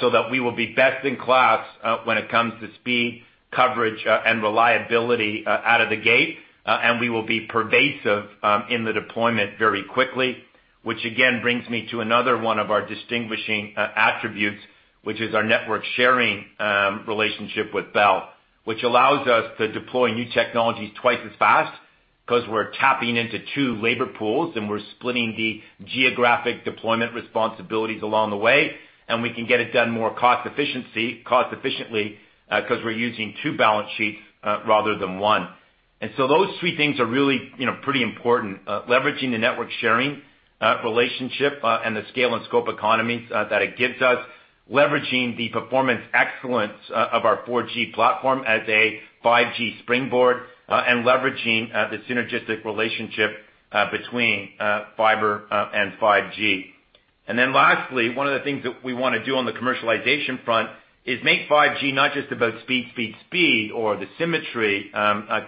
so that we will be best in class when it comes to speed, coverage, and reliability out of the gate. We will be pervasive in the deployment very quickly. Which again, brings me to another one of our distinguishing attributes, which is our network sharing relationship with Bell. Which allows us to deploy new technologies twice as fast because we're tapping into two labor pools and we're splitting the geographic deployment responsibilities along the way, and we can get it done more cost efficiently, because we're using two balance sheets rather than one. Those three things are really pretty important. Leveraging the network sharing relationship and the scale and scope economies that it gives us, leveraging the performance excellence of our 4G platform as a 5G springboard, and leveraging the synergistic relationship between fiber and 5G. Lastly, one of the things that we want to do on the commercialization front is make 5G not just about speed, speed or the symmetry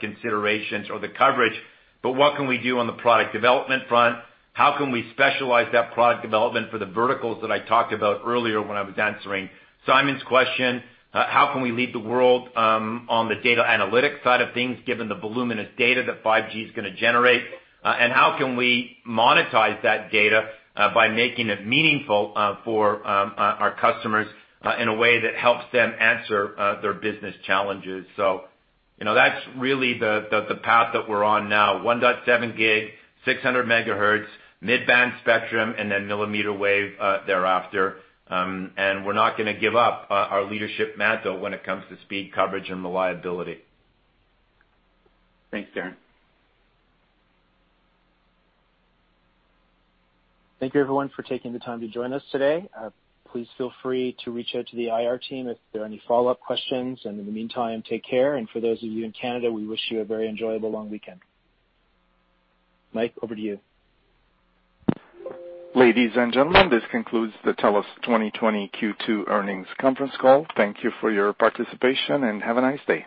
considerations or the coverage, but what can we do on the product development front? How can we specialize that product development for the verticals that I talked about earlier when I was answering Simon's question? How can we lead the world on the data analytics side of things, given the voluminous data that 5G is going to generate? How can we monetize that data by making it meaningful for our customers in a way that helps them answer their business challenges? That's really the path that we're on now, 1.7 Gb, 600 MHz, mid-band spectrum, and then millimeter wave thereafter. We're not going to give up our leadership mantle when it comes to speed, coverage, and reliability. Thanks, Darren. Thank you everyone for taking the time to join us today. Please feel free to reach out to the IR team if there are any follow-up questions. In the meantime, take care. For those of you in Canada, we wish you a very enjoyable long weekend. Mike, over to you. Ladies and gentlemen, this concludes the TELUS 2020 Q2 earnings conference call. Thank you for your participation, and have a nice day.